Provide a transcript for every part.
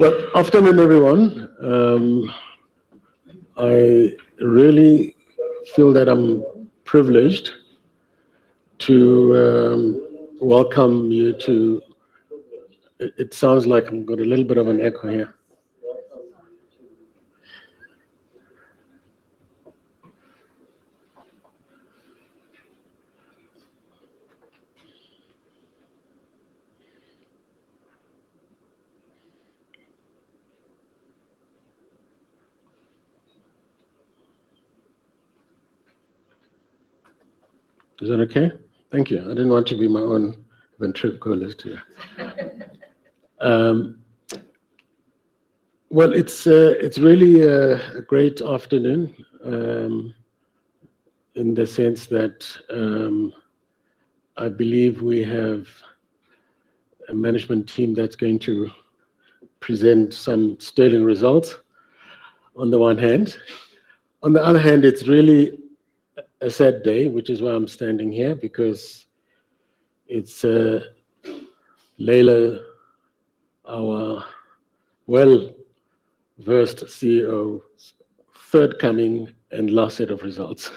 Well, afternoon everyone. I really feel that I'm privileged to welcome you to. It sounds like I've got a little bit of an echo here. Is that okay? Thank you. I didn't want to be my own ventriloquist here. It's really a great afternoon in the sense that I believe we have a management team that's going to present some sterling results on the one hand. On the other hand, it's really a sad day, which is why I'm standing here because it's Leila our well-versed CEO's third coming and last set of results.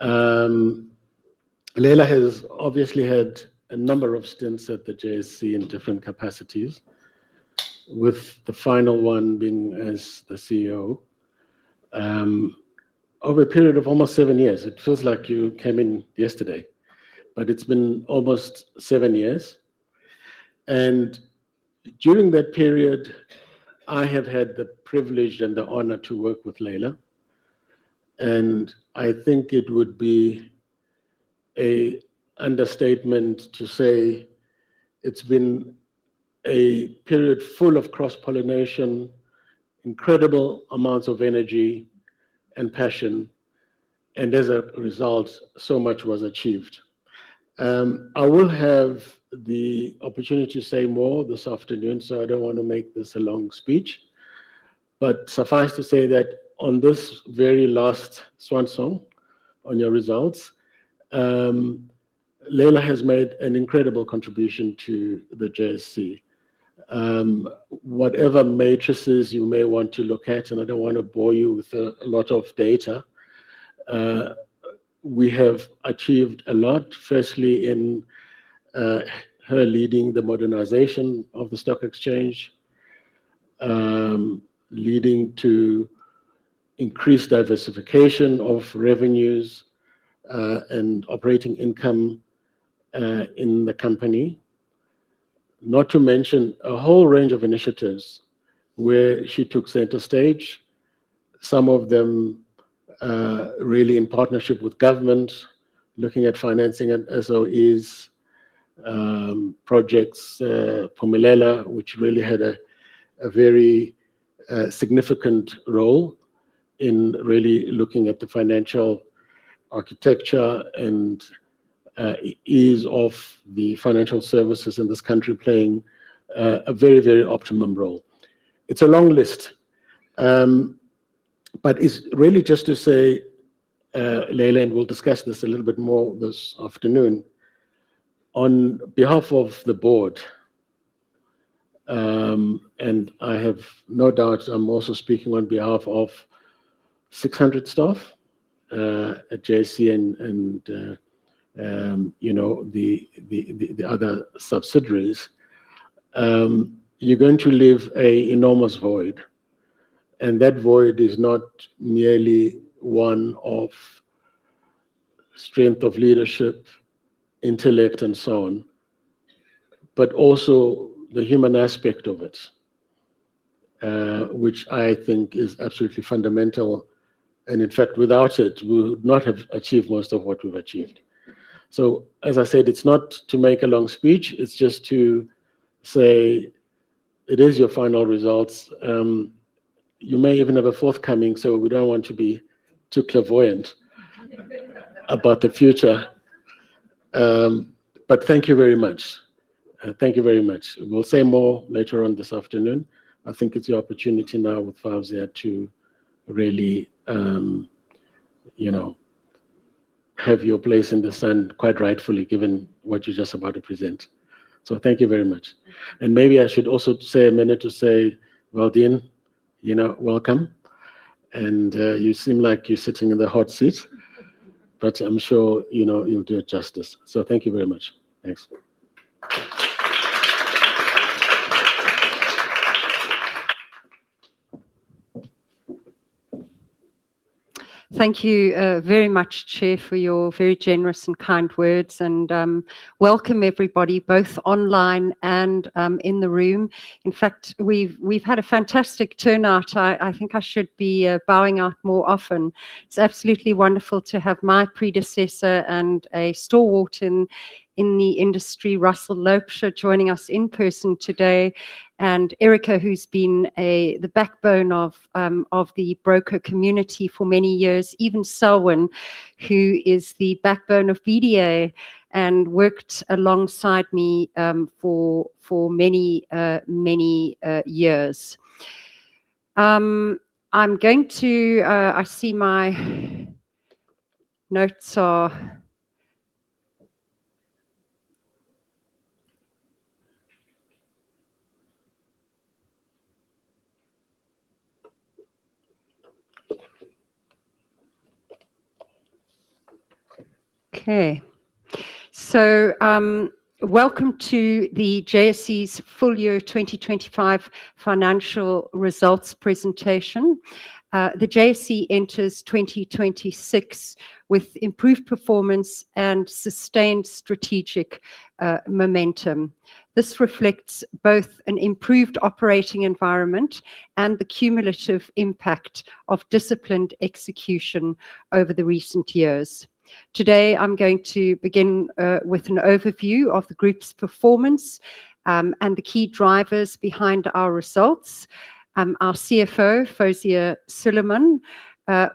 Leila has obviously had a number of stints at the JSE in different capacities, with the final one being as the CEO, over a period of almost seven years. It feels like you came in yesterday, but it's been almost seven years. During that period, I have had the privilege and the honor to work with Leila, and I think it would be an understatement to say it's been a period full of cross-pollination, incredible amounts of energy and passion, and as a result, so much was achieved. I will have the opportunity to say more this afternoon, so I don't want to make this a long speech. Suffice to say that on this very last swansong on your results, Leila has made an incredible contribution to the JSE. Whatever matrices you may want to look at, and I don't want to bore you with a lot of data, we have achieved a lot. Firstly, in her leading the modernization of the stock exchange, leading to increased diversification of revenues, and operating income, in the company. Not to mention a whole range of initiatives where she took center stage. Some of them, really in partnership with government, looking at financing and SOEs, projects, Phumelela, which really had a very significant role in really looking at the financial architecture and ease of the financial services in this country playing a very optimum role. It's a long list. It's really just to say, Leila, and we'll discuss this a little bit more this afternoon. On behalf of the board, and I have no doubt I'm also speaking on behalf of 600 staff at JSE and, you know, the other subsidiaries. You're going to leave a enormous void, and that void is not merely one of strength of leadership, intellect, and so on, but also the human aspect of it, which I think is absolutely fundamental. In fact, without it, we would not have achieved most of what we've achieved. As I said, it's not to make a long speech. It's just to say it is your final results. You may even have a forthcoming, we don't want to be too clairvoyant about the future. Thank you very much. Thank you very much. We'll say more later on this afternoon. I think it's your opportunity now with Fawzia to really, you know, have your place in the sun, quite rightfully, given what you're just about to present. Thank you very much. Maybe I should also take a minute to say, Valdene, you know, welcome. You seem like you're sitting in the hot seat. I'm sure, you know, you'll do it justice. Thank you very much. Thanks. Thank you very much, Chair, for your very generous and kind words. Welcome everybody, both online and in the room. In fact, we've had a fantastic turnout. I think I should be bowing out more often. It's absolutely wonderful to have my predecessor and a stalwart in the industry, Russell Loubser, joining us in person today. Erica, who's been the backbone of the broker community for many years. Even Selvan, who is the backbone of BDA and worked alongside me for many years. Okay. Welcome to the JSE's full year 2025 financial results presentation. The JSE enters 2026 with improved performance and sustained strategic momentum. This reflects both an improved operating environment and the cumulative impact of disciplined execution over the recent years. Today, I'm going to begin with an overview of the group's performance and the key drivers behind our results. Our CFO, Fawzia Suliman,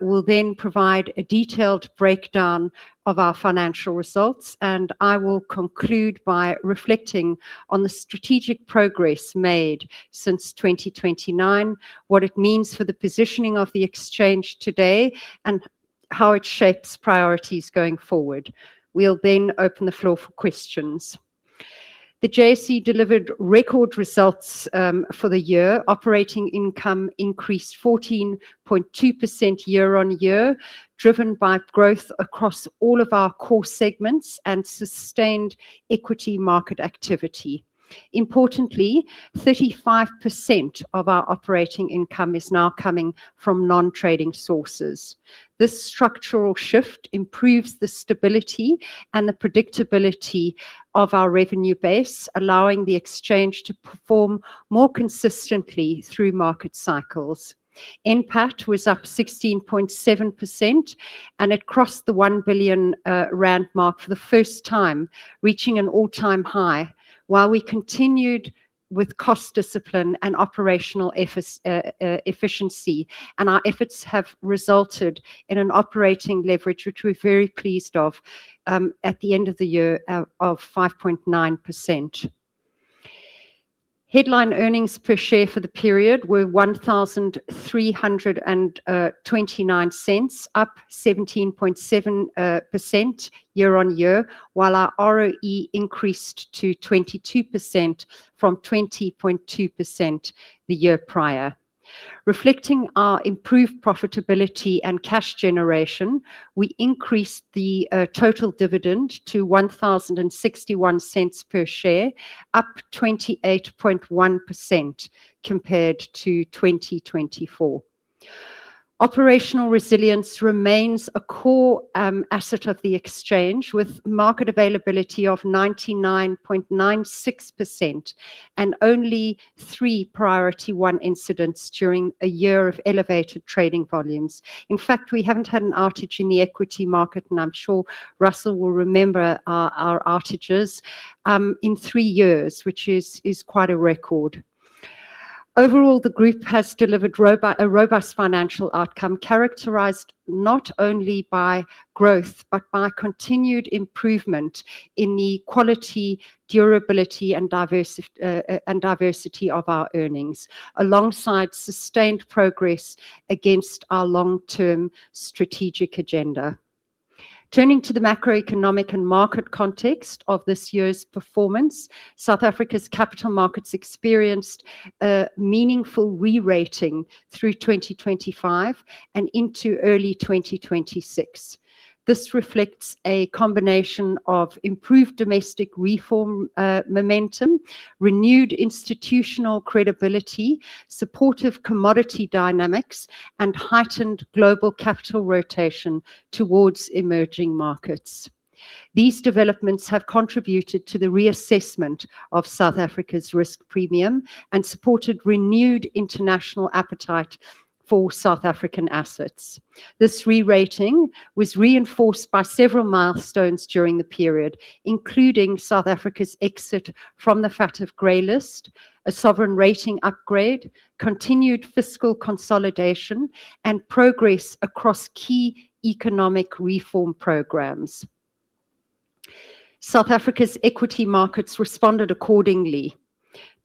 will then provide a detailed breakdown of our financial results, and I will conclude by reflecting on the strategic progress made since 2029, what it means for the positioning of the exchange today, and how it shapes priorities going forward. We'll open the floor for questions. The JSE delivered record results for the year. Operating income increased 14.2% year-on-year, driven by growth across all of our core segments and sustained equity market activity. Importantly, 35% of our operating income is now coming from non-trading sources. This structural shift improves the stability and the predictability of our revenue base, allowing the exchange to perform more consistently through market cycles. NPAT was up 16.7%, and it crossed the 1 billion rand mark for the first time, reaching an all-time high. While we continued with cost discipline and operational efficiency, and our efforts have resulted in an operating leverage, which we're very pleased of, at the end of the year, of 5.9%. Headline earnings per share for the period were 13.29, up 17.7% year-on-year, while our ROE increased to 22% from 20.2% the year prior. Reflecting our improved profitability and cash generation, we increased the total dividend to 10.61 per share, up 28.1% compared to 2024. Operational resilience remains a core asset of the exchange, with market availability of 99.96% and only three priority one incidents during a year of elevated trading volumes. In fact, we haven't had an outage in the equity market, and I'm sure Russell will remember our outages in three years, which is quite a record. Overall, the group has delivered a robust financial outcome characterized not only by growth but by continued improvement in the quality, durability, and diversity of our earnings, alongside sustained progress against our long-term strategic agenda. Turning to the macroeconomic and market context of this year's performance, South Africa's capital markets experienced a meaningful re-rating through 2025 and into early 2026. This reflects a combination of improved domestic reform momentum, renewed institutional credibility, supportive commodity dynamics, and heightened global capital rotation towards emerging markets. These developments have contributed to the reassessment of South Africa's risk premium and supported renewed international appetite for South African assets. This re-rating was reinforced by several milestones during the period, including South Africa's exit from the FATF grey list, a sovereign rating upgrade, continued fiscal consolidation, and progress across key economic reform programs. South Africa's equity markets responded accordingly,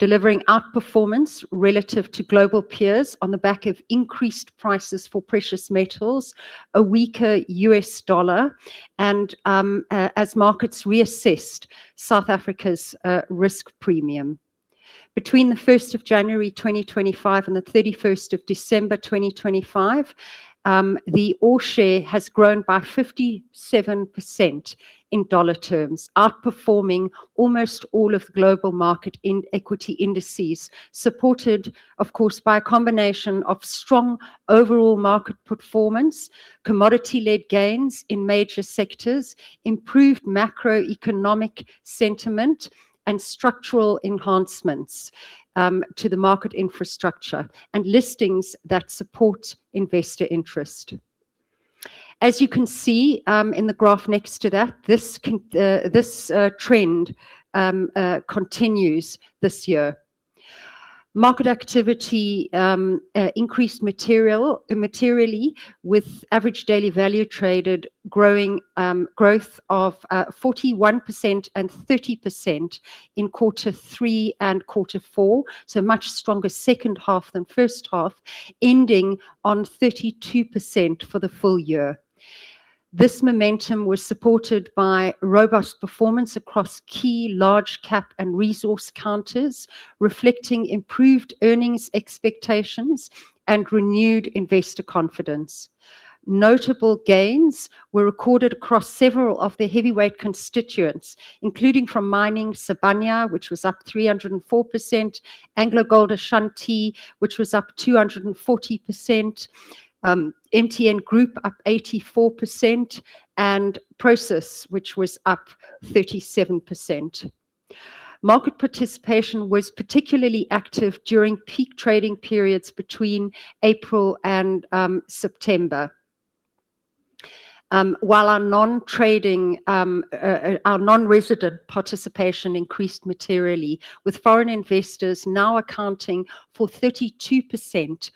delivering outperformance relative to global peers on the back of increased prices for precious metals, a weaker US dollar, as markets reassessed South Africa's risk premium. Between the January 1, 2025 and December 31, 2025, the All Share has grown by 57% in dollar terms, outperforming almost all of global market in equity indices, supported of course by a combination of strong overall market performance, commodity-led gains in major sectors, improved macroeconomic sentiment and structural enhancements to the market infrastructure and listings that support investor interest. As you can see, in the graph next to that, this trend continues this year. Market activity increased materially with average daily value traded growing 41% and 30% in Q3 and Q4, so much stronger second half than first half, ending on 32% for the full year. This momentum was supported by robust performance across key large-cap and resource counters, reflecting improved earnings expectations and renewed investor confidence. Notable gains were recorded across several of the heavyweight constituents, including from mining Sibanye, which was up 304%, AngloGold Ashanti, which was up 240%, MTN Group up 84%, and Prosus, which was up 37%. Market participation was particularly active during peak trading periods between April and September. While our non-trading, our non-resident participation increased materially, with foreign investors now accounting for 32%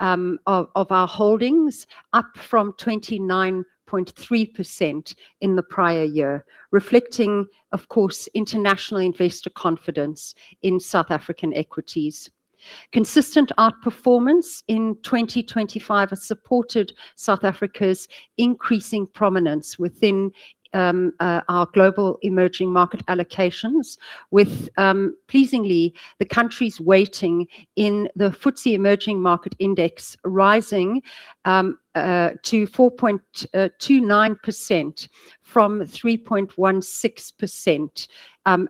of our holdings, up from 29.3% in the prior year, reflecting, of course, international investor confidence in South African equities. Consistent outperformance in 2025 has supported South Africa's increasing prominence within our global emerging market allocations with pleasingly the country's weighting in the FTSE Emerging Market Index rising to 4.29% from 3.16%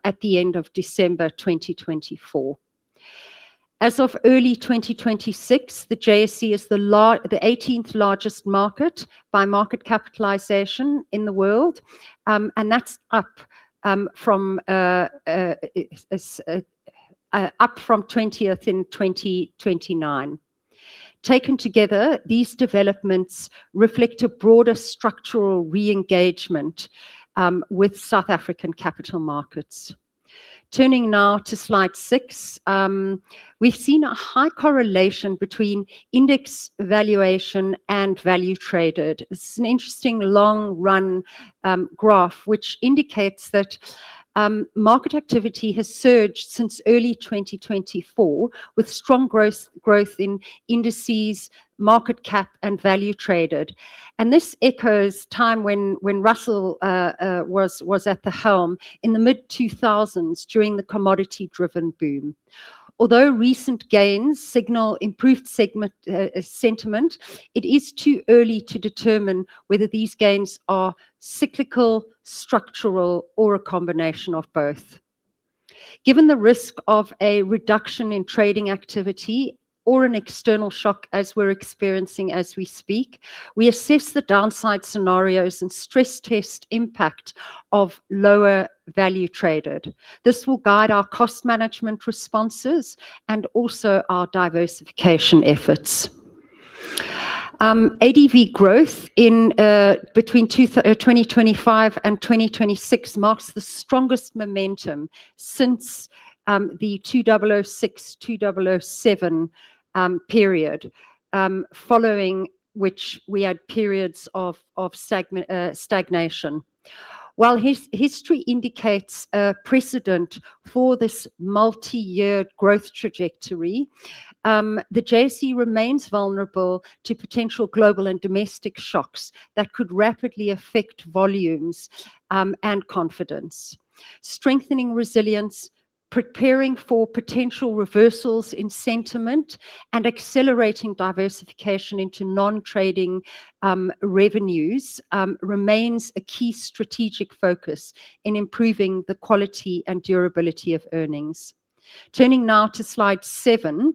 at the end of December 2024. As of early 2026, the JSE is the 18th largest market by market capitalization in the world, and that's up from 20th in 2029. Taken together, these developments reflect a broader structural re-engagement with South African capital markets. Turning now to slide 6. We've seen a high correlation between index valuation and value traded. This is an interesting long-run graph, which indicates that market activity has surged since early 2024, with strong gross growth in indices, market cap, and value traded. This echoes time when Russell was at the helm in the mid-2000s during the commodity-driven boom. Although recent gains signal improved sentiment, it is too early to determine whether these gains are cyclical, structural, or a combination of both. Given the risk of a reduction in trading activity or an external shock, as we're experiencing as we speak, we assess the downside scenarios and stress test impact of lower value traded. This will guide our cost management responses and also our diversification efforts. ADV growth in between 2025 and 2026 marks the strongest momentum since the 2006, 2007 period, following which we had periods of stagnation. While his-history indicates a precedent for this multiyear growth trajectory, the JSE remains vulnerable to potential global and domestic shocks that could rapidly affect volumes and confidence. Strengthening resilience, preparing for potential reversals in sentiment, and accelerating diversification into non-trading revenues remains a key strategic focus in improving the quality and durability of earnings. Turning now to slide seven.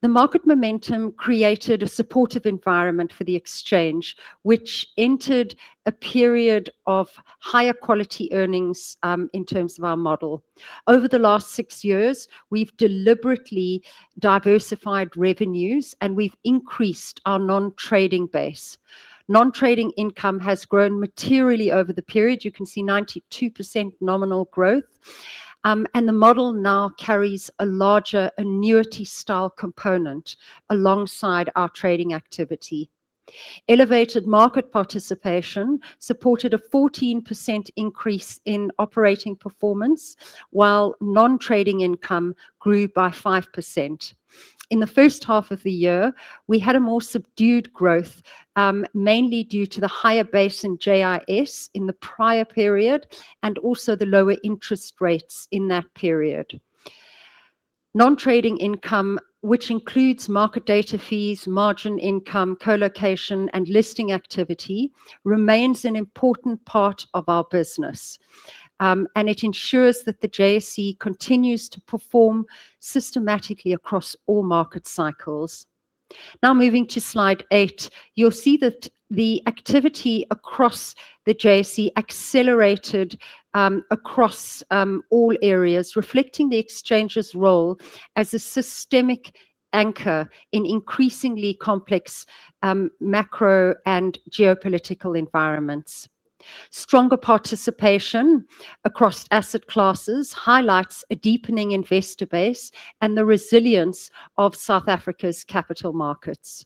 The market momentum created a supportive environment for the exchange, which entered a period of higher quality earnings in terms of our model. Over the last six years, we've deliberately diversified revenues, and we've increased our non-trading base. Non-trading income has grown materially over the period. You can see 92% nominal growth, and the model now carries a larger annuity-style component alongside our trading activity. Elevated market participation supported a 14% increase in operating performance, while non-trading income grew by 5%. In the first half of the year, we had a more subdued growth, mainly due to the higher base in JIS in the prior period and also the lower interest rates in that period. Non-trading income, which includes market data fees, margin income, colocation, and listing activity, remains an important part of our business, and it ensures that the JSE continues to perform systematically across all market cycles. Now moving to slide eight. You'll see that the activity across the JSE accelerated, across all areas, reflecting the exchange's role as a systemic anchor in increasingly complex macro and geopolitical environments. Stronger participation across asset classes highlights a deepening investor base and the resilience of South Africa's capital markets.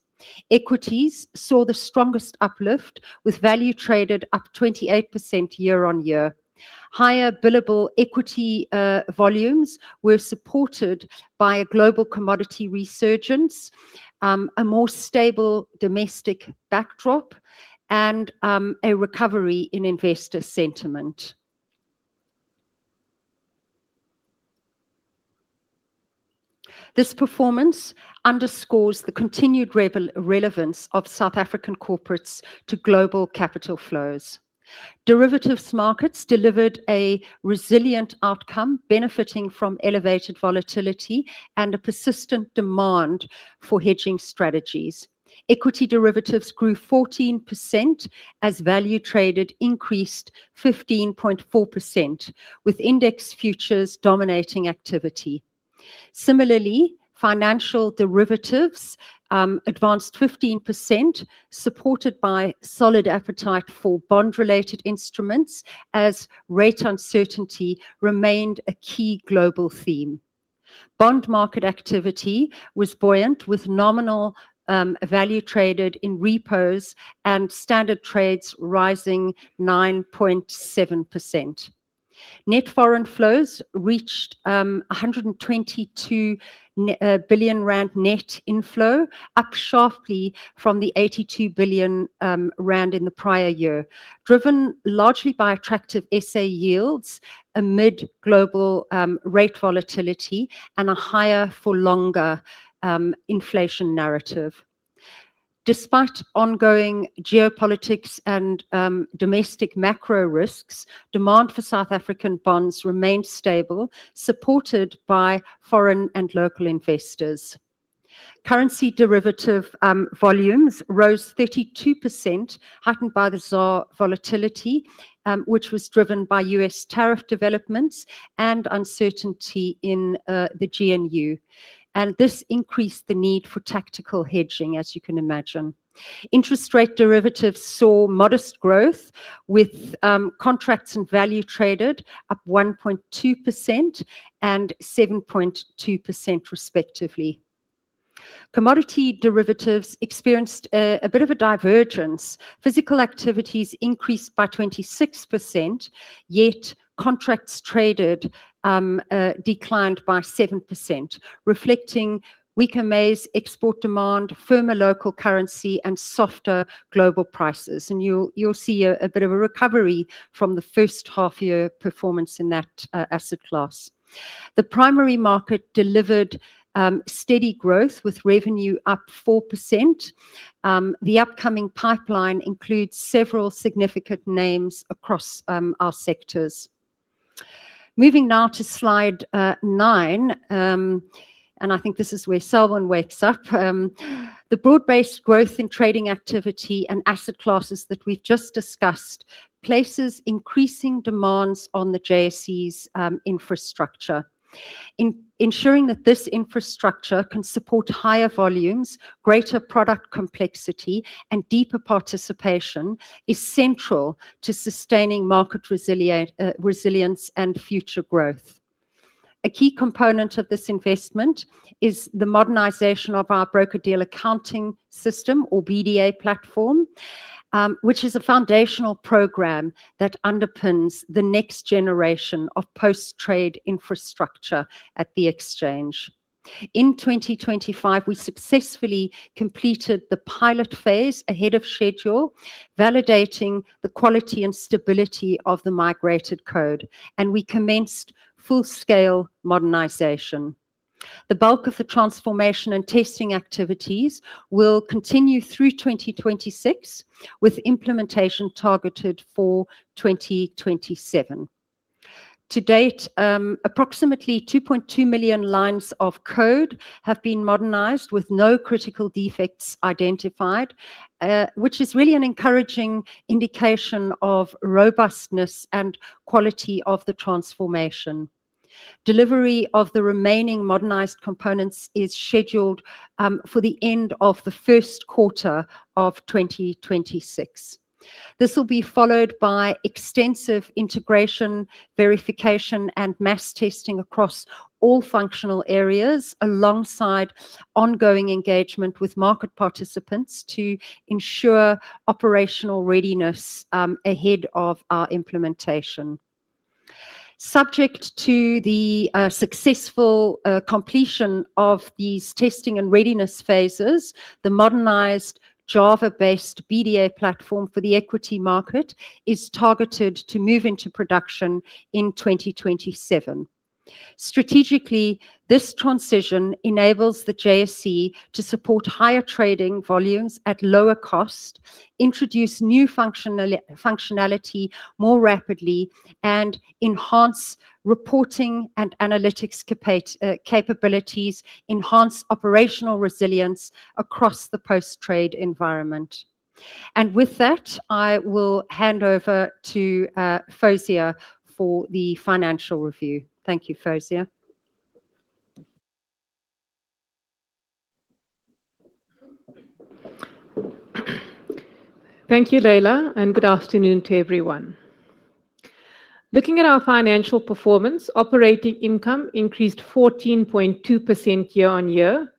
Equities saw the strongest uplift, with value traded up 28% year-on-year. Higher billable equity volumes were supported by a global commodity resurgence, a more stable domestic backdrop, and a recovery in investor sentiment. This performance underscores the continued relevance of South African corporates to global capital flows. Derivatives markets delivered a resilient outcome, benefiting from elevated volatility and a persistent demand for hedging strategies. Equity derivatives grew 14% as value traded increased 15.4%, with index futures dominating activity. Similarly, financial derivatives advanced 15%, supported by solid appetite for bond-related instruments as rate uncertainty remained a key global theme. Bond market activity was buoyant, with nominal value traded in repos and standard trades rising 9.7%. Net foreign flows reached 122 billion rand net inflow, up sharply from the 82 billion rand in the prior year, driven largely by attractive SA yields amid global rate volatility and a higher for longer inflation narrative. Despite ongoing geopolitics and domestic macro risks, demand for South African bonds remained stable, supported by foreign and local investors. Currency derivative volumes rose 32%, heightened by the ZAR volatility, which was driven by US tariff developments and uncertainty in the GNU, and this increased the need for tactical hedging, as you can imagine. Interest rate derivatives saw modest growth with contracts and value traded up 1.2% and 7.2% respectively. Commodity derivatives experienced a bit of a divergence. Physical activities increased by 26%, yet contracts traded declined by 7%, reflecting weaker maize export demand, firmer local currency, and softer global prices. You'll see a bit of a recovery from the first half year performance in that asset class. The primary market delivered steady growth with revenue up 4%. The upcoming pipeline includes several significant names across our sectors. Moving now to slide nine, I think this is where Selvan wakes up. The broad-based growth in trading activity and asset classes that we've just discussed places increasing demands on the JSE's infrastructure. Ensuring that this infrastructure can support higher volumes, greater product complexity, and deeper participation is central to sustaining market resilience and future growth. A key component of this investment is the modernization of our broker-dealer accounting system, or BDA platform, which is a foundational program that underpins the next generation of post-trade infrastructure at the exchange. In 2025, we successfully completed the pilot phase ahead of schedule, validating the quality and stability of the migrated code, and we commenced full-scale modernization. The bulk of the transformation and testing activities will continue through 2026, with implementation targeted for 2027. To date, approximately 2.2 million lines of code have been modernized with no critical defects identified, which is really an encouraging indication of robustness and quality of the transformation. Delivery of the remaining modernized components is scheduled for the end of the Q1 of 2026. This will be followed by extensive integration, verification, and mass testing across all functional areas, alongside ongoing engagement with market participants to ensure operational readiness ahead of our implementation. Subject to the successful completion of these testing and readiness phases, the modernized Java-based BDA platform for the equity market is targeted to move into production in 2027. Strategically, this transition enables the JSE to support higher trading volumes at lower cost, introduce new functionality more rapidly, and enhance reporting and analytics capabilities, enhance operational resilience across the post-trade environment. With that, I will hand over to Fawzia for the financial review. Thank you, Fawzia. Thank you, Leila. Good afternoon to everyone. Looking at our financial performance, operating income increased 14.2% year-on-year,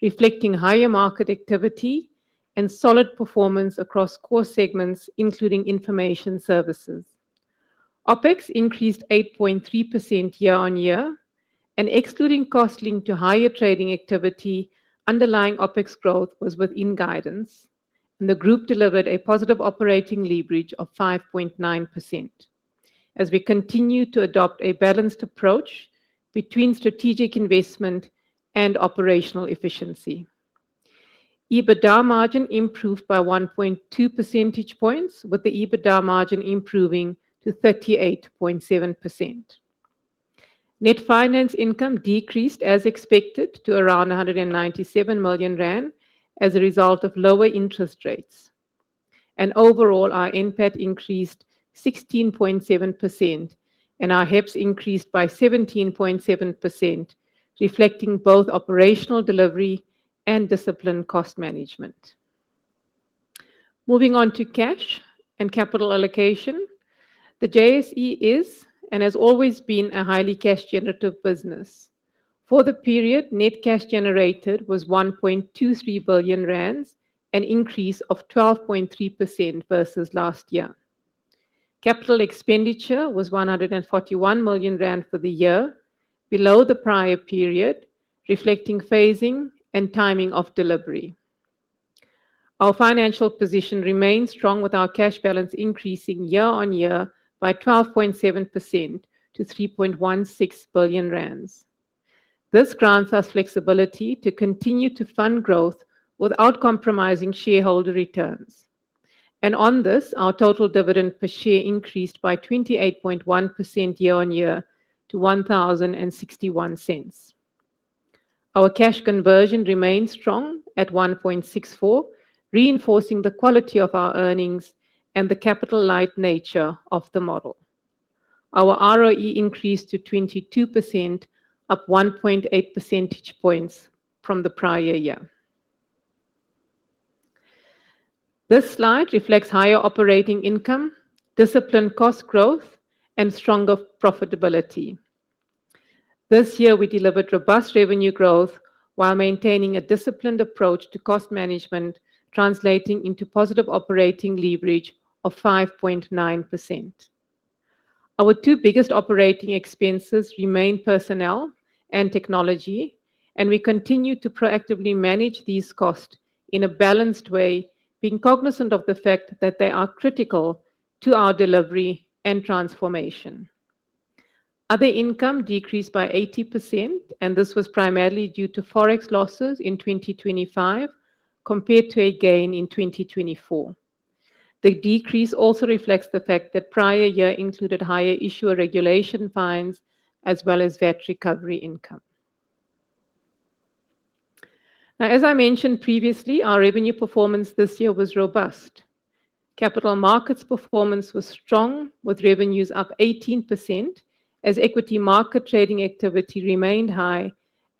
reflecting higher market activity and solid performance across core segments, including information services. OpEx increased 8.3% year-on-year. Excluding cost linked to higher trading activity, underlying OpEx growth was within guidance, and the group delivered a positive operating leverage of 5.9%. As we continue to adopt a balanced approach between strategic investment and operational efficiency. EBITDA margin improved by 1.2 percentage points, with the EBITDA margin improving to 38.7%. Net finance income decreased as expected to around 197 million rand as a result of lower interest rates. Overall, our NPAT increased 16.7%, and our HEPS increased by 17.7%, reflecting both operational delivery and disciplined cost management. Moving on to cash and capital allocation. The JSE is and has always been a highly cash generative business. For the period, net cash generated was 1.23 billion rand, an increase of 12.3% versus last year. Capital expenditure was 141 million rand for the year, below the prior period, reflecting phasing and timing of delivery. Our financial position remains strong with our cash balance increasing year-on-year by 12.7% to 3.16 billion rand. This grants us flexibility to continue to fund growth without compromising shareholder returns. On this, our total dividend per share increased by 28.1% year-on-year to 10.61. Our cash conversion remains strong at 1.64, reinforcing the quality of our earnings and the capital light nature of the model. Our ROE increased to 22%, up 1.8 percentage points from the prior year. This slide reflects higher operating income, disciplined cost growth, and stronger profitability. This year we delivered robust revenue growth while maintaining a disciplined approach to cost management, translating into positive operating leverage of 5.9%. Our two biggest OpEx remain personnel and technology, and we continue to proactively manage these costs in a balanced way, being cognizant of the fact that they are critical to our delivery and transformation. Other income decreased by 80%, this was primarily due to Forex losses in 2025 compared to a gain in 2024. The decrease also reflects the fact that prior year included higher issuer regulation fines as well as VAT recovery income. As I mentioned previously, our revenue performance this year was robust. Capital markets performance was strong, with revenues up 18% as equity market trading activity remained high.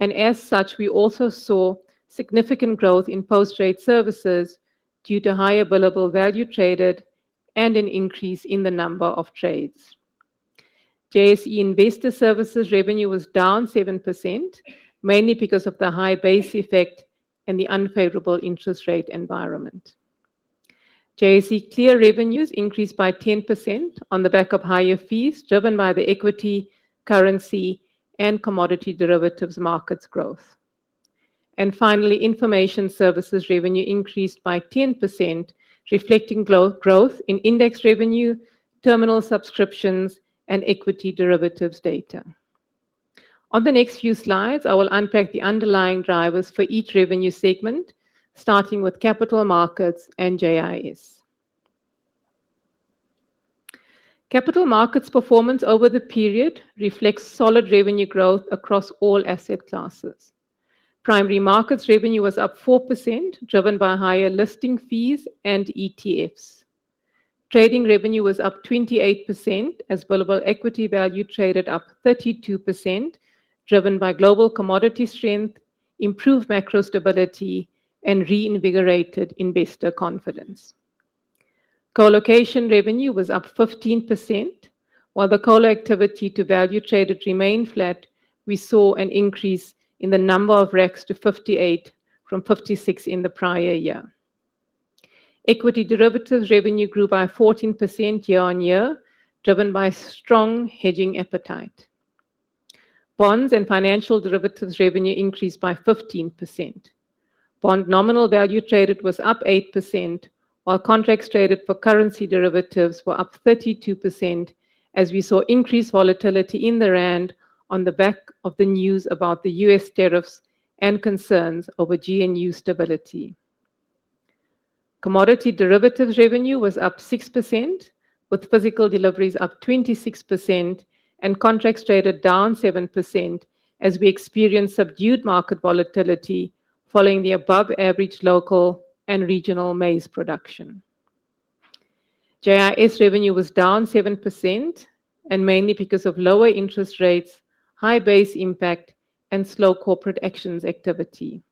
As such, we also saw significant growth in post-trade services due to higher billable value traded and an increase in the number of trades. JSE Investor Services revenue was down 7%, mainly because of the high base effect and the unfavorable interest rate environment. JSE Clear revenues increased by 10% on the back of higher fees driven by the equity, currency, and commodity derivatives markets growth. Finally, information services revenue increased by 10%, reflecting growth in index revenue, terminal subscriptions, and equity derivatives data. On the next few slides, I will unpack the underlying drivers for each revenue segment, starting with Capital Markets and JIS. Capital Markets performance over the period reflects solid revenue growth across all asset classes. Primary markets revenue was up 4%, driven by higher listing fees and ETFs. Trading revenue was up 28% as billable equity value traded up 32%, driven by global commodity strength, improved macro stability, and reinvigorated investor confidence. Colocation revenue was up 15%. While the colo activity to value traded remained flat, we saw an increase in the number of racks to 58 from 56 in the prior year. Equity derivatives revenue grew by 14% year on year, driven by strong hedging appetite. Bonds and financial derivatives revenue increased by 15%. Bond nominal value traded was up 8%, while contracts traded for currency derivatives were up 32%, as we saw increased volatility in the rand on the back of the news about the U.S. tariffs and concerns over GNU stability. Commodity derivatives revenue was up 6%, with physical deliveries up 26% and contracts traded down 7% as we experienced subdued market volatility following the above-average local and regional maize production. JIS revenue was down 7%, mainly because of lower interest rates, high base impact, and slow corporate actions activity.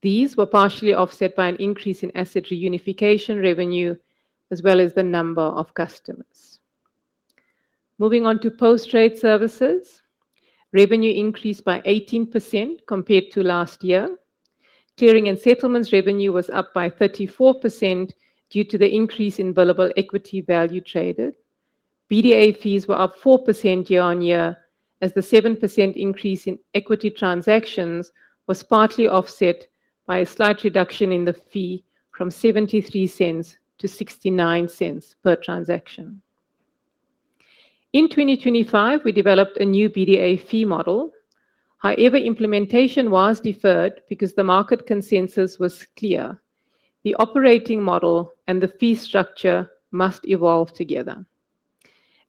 These were partially offset by an increase in asset reunification revenue as well as the number of customers. Moving on to post-trade services. Revenue increased by 18% compared to last year. Clearing and settlements revenue was up by 34% due to the increase in billable equity value traded. BDA fees were up 4% year-on-year as the 7% increase in equity transactions was partly offset by a slight reduction in the fee from 0.73 to 0.69 per transaction. In 2025, we developed a new BDA fee model. However, implementation was deferred because the market consensus was clear. The operating model and the fee structure must evolve together.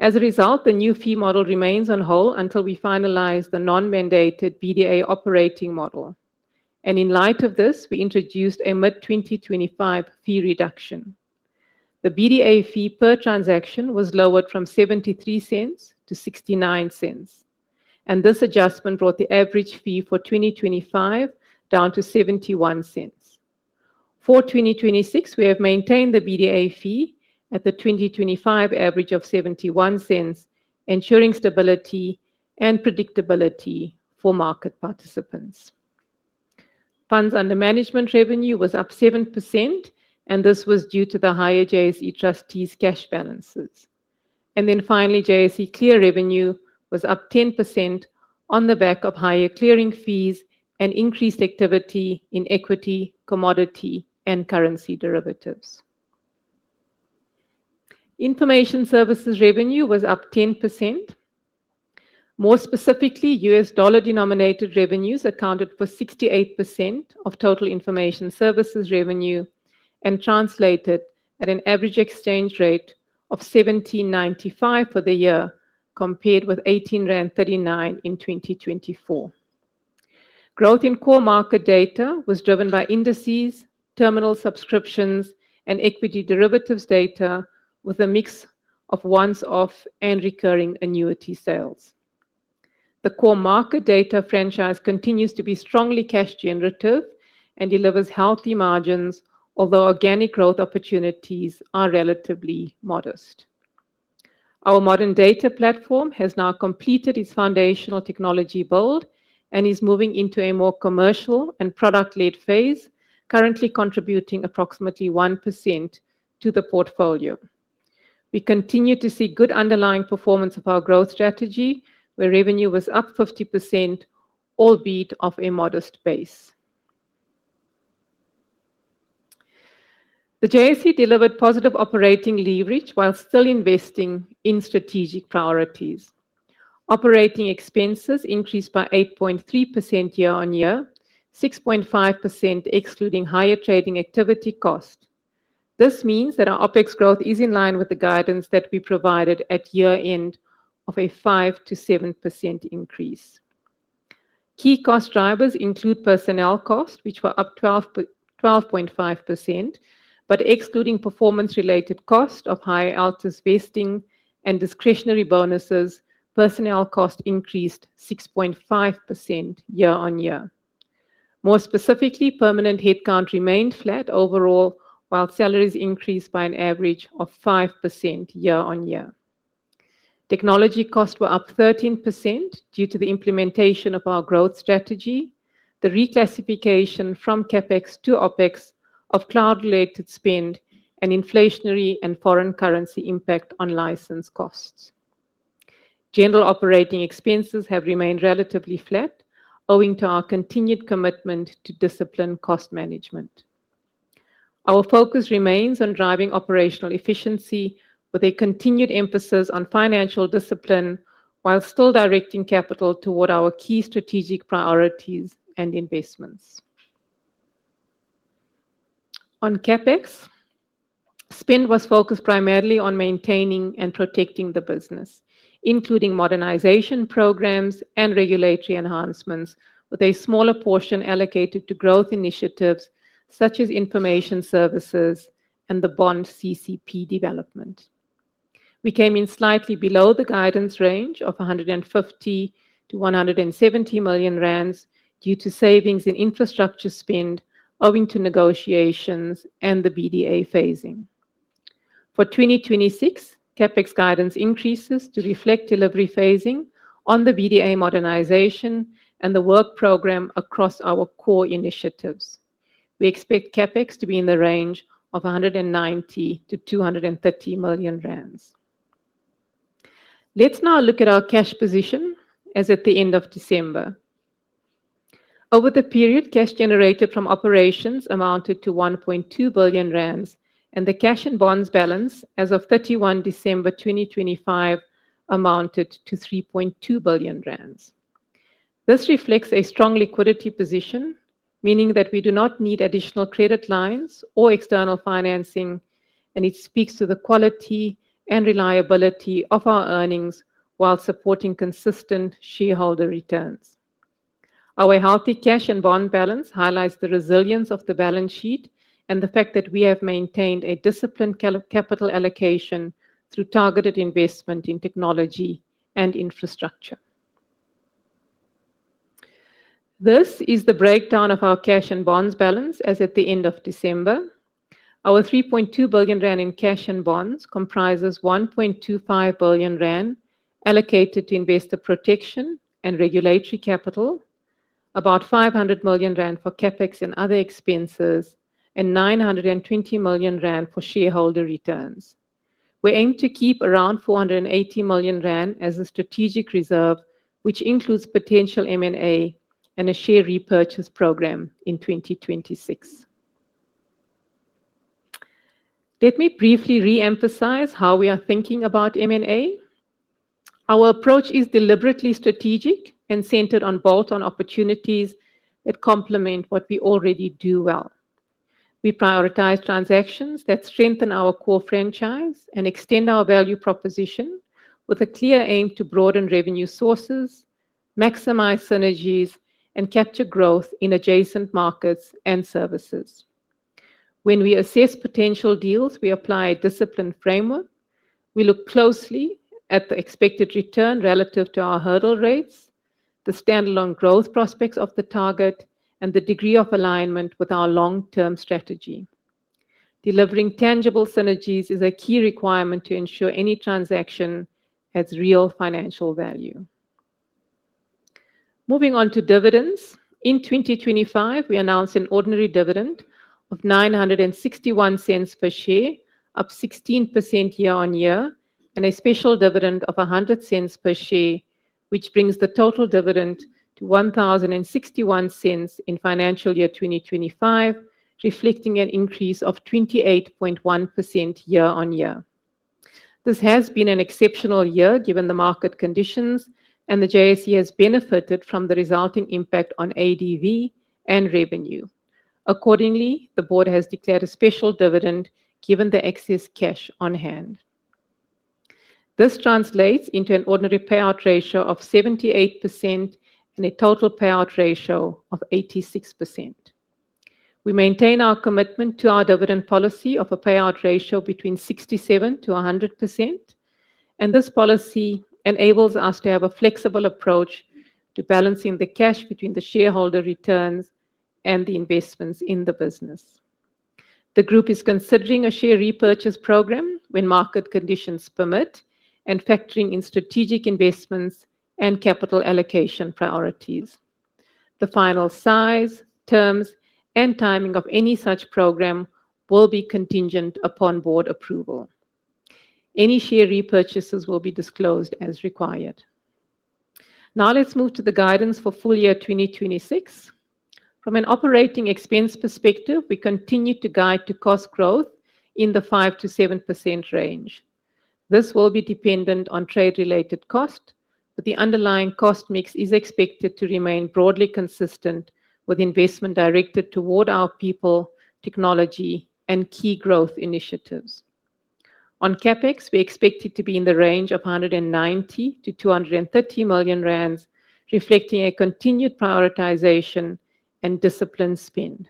As a result, the new fee model remains on hold until we finalize the non-mandated BDA operating model. In light of this, we introduced a mid-2025 fee reduction. The BDA fee per transaction was lowered from 0.73 to 0.69, and this adjustment brought the average fee for 2025 down to 0.71. For 2026, we have maintained the BDA fee at the 2025 average of 0.71, ensuring stability and predictability for market participants. Funds under management revenue was up 7%, and this was due to the higher JSE trustees' cash balances. Finally, JSE Clear revenue was up 10% on the back of higher clearing fees and increased activity in equity, commodity and currency derivatives. Information services revenue was up 10%. More specifically, US dollar-denominated revenues accounted for 68% of total information services revenue and translated at an average exchange rate of 17.95 for the year, compared with 18.39 in 2024. Growth in core market data was driven by indices, terminal subscriptions and equity derivatives data with a mix of once-off and recurring annuity sales. The core market data franchise continues to be strongly cash generative and delivers healthy margins, although organic growth opportunities are relatively modest. Our modern data platform has now completed its foundational technology build and is moving into a more commercial and product-led phase, currently contributing approximately 1% to the portfolio. We continue to see good underlying performance of our growth strategy, where revenue was up 50%, albeit off a modest base. The JSE delivered positive operating leverage while still investing in strategic priorities. Operating expenses increased by 8.3% year-on-year, 6.5% excluding higher trading activity cost. This means that our OpEx growth is in line with the guidance that we provided at year-end of a 5%-7% increase. Key cost drivers include personnel costs, which were up 12.5%, but excluding performance-related cost of high LTIP vesting and discretionary bonuses, personnel cost increased 6.5% year-on-year. More specifically, permanent headcount remained flat overall, while salaries increased by an average of 5% year-on-year. Technology costs were up 13% due to the implementation of our growth strategy, the reclassification from CapEx to OpEx of cloud-related spend and inflationary and foreign currency impact on license costs. General operating expenses have remained relatively flat, owing to our continued commitment to disciplined cost management. Our focus remains on driving operational efficiency with a continued emphasis on financial discipline while still directing capital toward our key strategic priorities and investments. On CapEx, spend was focused primarily on maintaining and protecting the business, including modernization programs and regulatory enhancements, with a smaller portion allocated to growth initiatives such as information services and the bond CCP development. We came in slightly below the guidance range of 150 million-170 million rand due to savings in infrastructure spend owing to negotiations and the BDA phasing. For 2026, CapEx guidance increases to reflect delivery phasing on the BDA modernization and the work program across our core initiatives. We expect CapEx to be in the range of 190 million-230 million rand. Let's now look at our cash position as at the end of December. Over the period, cash generated from operations amounted to 1.2 billion rand, the cash and bonds balance as of 31 December 2025 amounted to 3.2 billion rand. This reflects a strong liquidity position, meaning that we do not need additional credit lines or external financing, and it speaks to the quality and reliability of our earnings while supporting consistent shareholder returns. Our healthy cash and bond balance highlights the resilience of the balance sheet and the fact that we have maintained a disciplined capital allocation through targeted investment in technology and infrastructure. This is the breakdown of our cash and bonds balance as at the end of December. Our 3.2 billion rand in cash and bonds comprises 1.25 billion rand allocated to investor protection and regulatory capital, about 500 million rand for CapEx and other expenses, and 920 million rand for shareholder returns. We aim to keep around 480 million rand as a strategic reserve which includes potential M&A and a share repurchase program in 2026. Let me briefly re-emphasize how we are thinking about M&A. Our approach is deliberately strategic and centered on bolt-on opportunities that complement what we already do well. We prioritize transactions that strengthen our core franchise and extend our value proposition with a clear aim to broaden revenue sources, maximize synergies, and capture growth in adjacent markets and services. When we assess potential deals, we apply a disciplined framework. We look closely at the expected return relative to our hurdle rates, the standalone growth prospects of the target, and the degree of alignment with our long-term strategy. Delivering tangible synergies is a key requirement to ensure any transaction has real financial value. Moving on to dividends. In 2025, we announced an ordinary dividend of 9.61 per share, up 16% year-on-year, and a special dividend of 1.00 per share, which brings the total dividend to 10.61 in financial year 2025, reflecting an increase of 28.1% year-on-year. This has been an exceptional year given the market conditions, and the JSE has benefited from the resulting impact on ADV and revenue. Accordingly, the board has declared a special dividend given the excess cash on hand. This translates into an ordinary payout ratio of 78% and a total payout ratio of 86%. We maintain our commitment to our dividend policy of a payout ratio between 67%-100%. This policy enables us to have a flexible approach to balancing the cash between the shareholder returns and the investments in the business. The group is considering a share repurchase program when market conditions permit and factoring in strategic investments and capital allocation priorities. The final size, terms, and timing of any such program will be contingent upon board approval. Any share repurchases will be disclosed as required. Let's move to the guidance for full year 2026. From an operating expense perspective, we continue to guide to cost growth in the 5%-7% range. This will be dependent on trade-related cost, but the underlying cost mix is expected to remain broadly consistent with investment directed toward our people, technology, and key growth initiatives. On CapEx, we expect it to be in the range of 190 million-230 million rand, reflecting a continued prioritization and disciplined spend.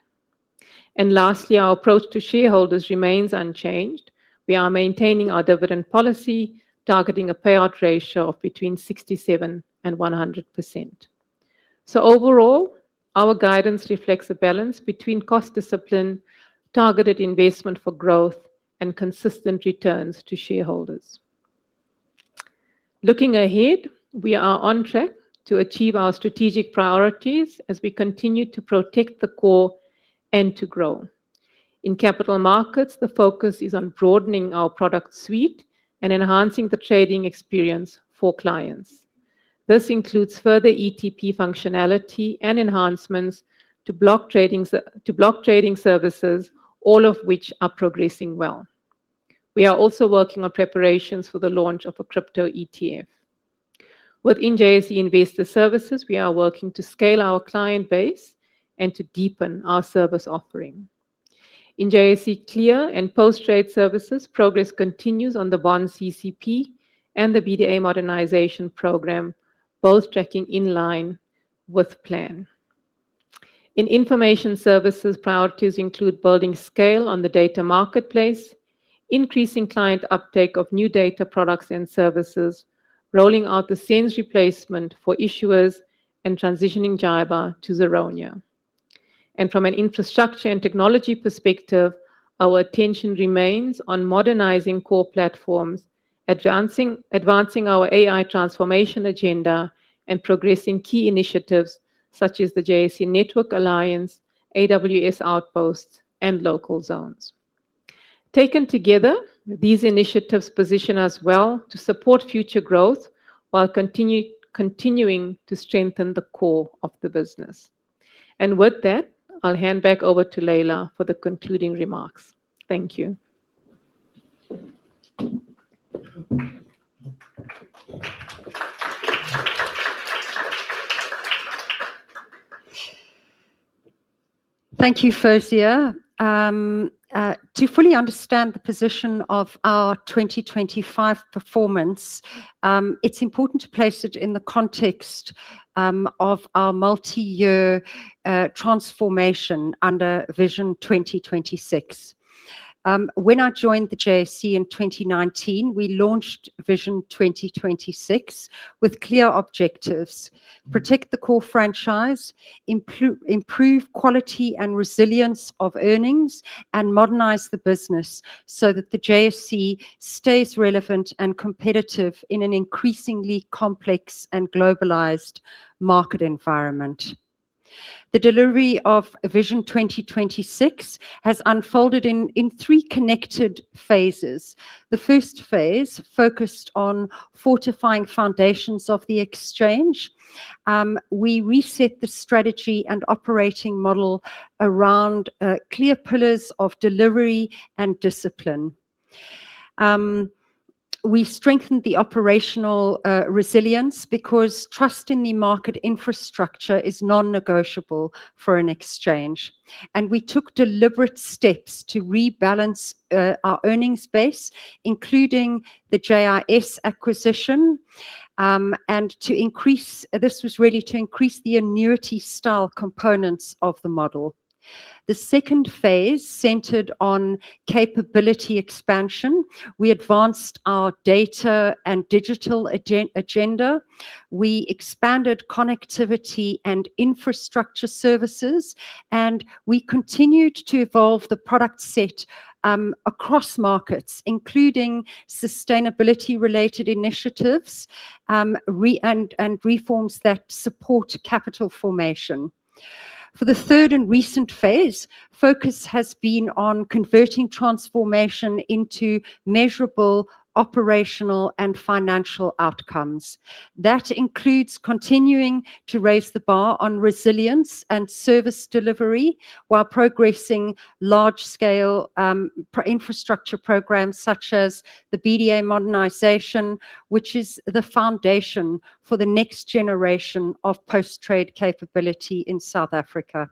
Lastly, our approach to shareholders remains unchanged. We are maintaining our dividend policy, targeting a payout ratio of between 67% and 100%. Overall, our guidance reflects a balance between cost discipline, targeted investment for growth, and consistent returns to shareholders. Looking ahead, we are on track to achieve our strategic priorities as we continue to protect the core and to grow. In capital markets, the focus is on broadening our product suite and enhancing the trading experience for clients. This includes further ETP functionality and enhancements to block trading services, all of which are progressing well. We are also working on preparations for the launch of a crypto ETF. Within JSE Investor Services, we are working to scale our client base and to deepen our service offering. In JSE Clear and Post Trade Services, progress continues on the bond CCP and the BDA modernization program, both tracking in line with plan. In Information Services, priorities include building scale on the data marketplace, increasing client uptake of new data products and services, rolling out the SAM replacement for issuers, and transitioning GIBA to Zeronia. From an infrastructure and technology perspective, our attention remains on modernizing core platforms, advancing our AI transformation agenda, and progressing key initiatives such as the JSE Network Alliance, AWS Outposts, and local zones. Taken together, these initiatives position us well to support future growth while continuing to strengthen the core of the business. With that, I'll hand back over to Leila for the concluding remarks. Thank you. Thank you, Fawzia. To fully understand the position of our 2025 performance, it's important to place it in the context of our multi-year transformation under Vision 2026. When I joined the JSE in 2019, we launched Vision 2026 with clear objectives: protect the core franchise, improve quality and resilience of earnings, and modernize the business so that the JSE stays relevant and competitive in an increasingly complex and globalized market environment. The delivery of Vision 2026 has unfolded in three connected phases. The first phase focused on fortifying foundations of the exchange. We reset the strategy and operating model around clear pillars of delivery and discipline. We strengthened the operational resilience because trust in the market infrastructure is non-negotiable for an exchange. We took deliberate steps to rebalance our earnings base, including the JIS acquisition, and to increase this was really to increase the annuity-style components of the model. The second phase centered on capability expansion. We advanced our data and digital agenda, we expanded connectivity and infrastructure services, and we continued to evolve the product set across markets, including sustainability-related initiatives, and reforms that support capital formation. For the third and recent phase, focus has been on converting transformation into measurable operational and financial outcomes. That includes continuing to raise the bar on resilience and service delivery while progressing large-scale infrastructure programmes such as the BDA modernization, which is the foundation for the next generation of post-trade capability in South Africa.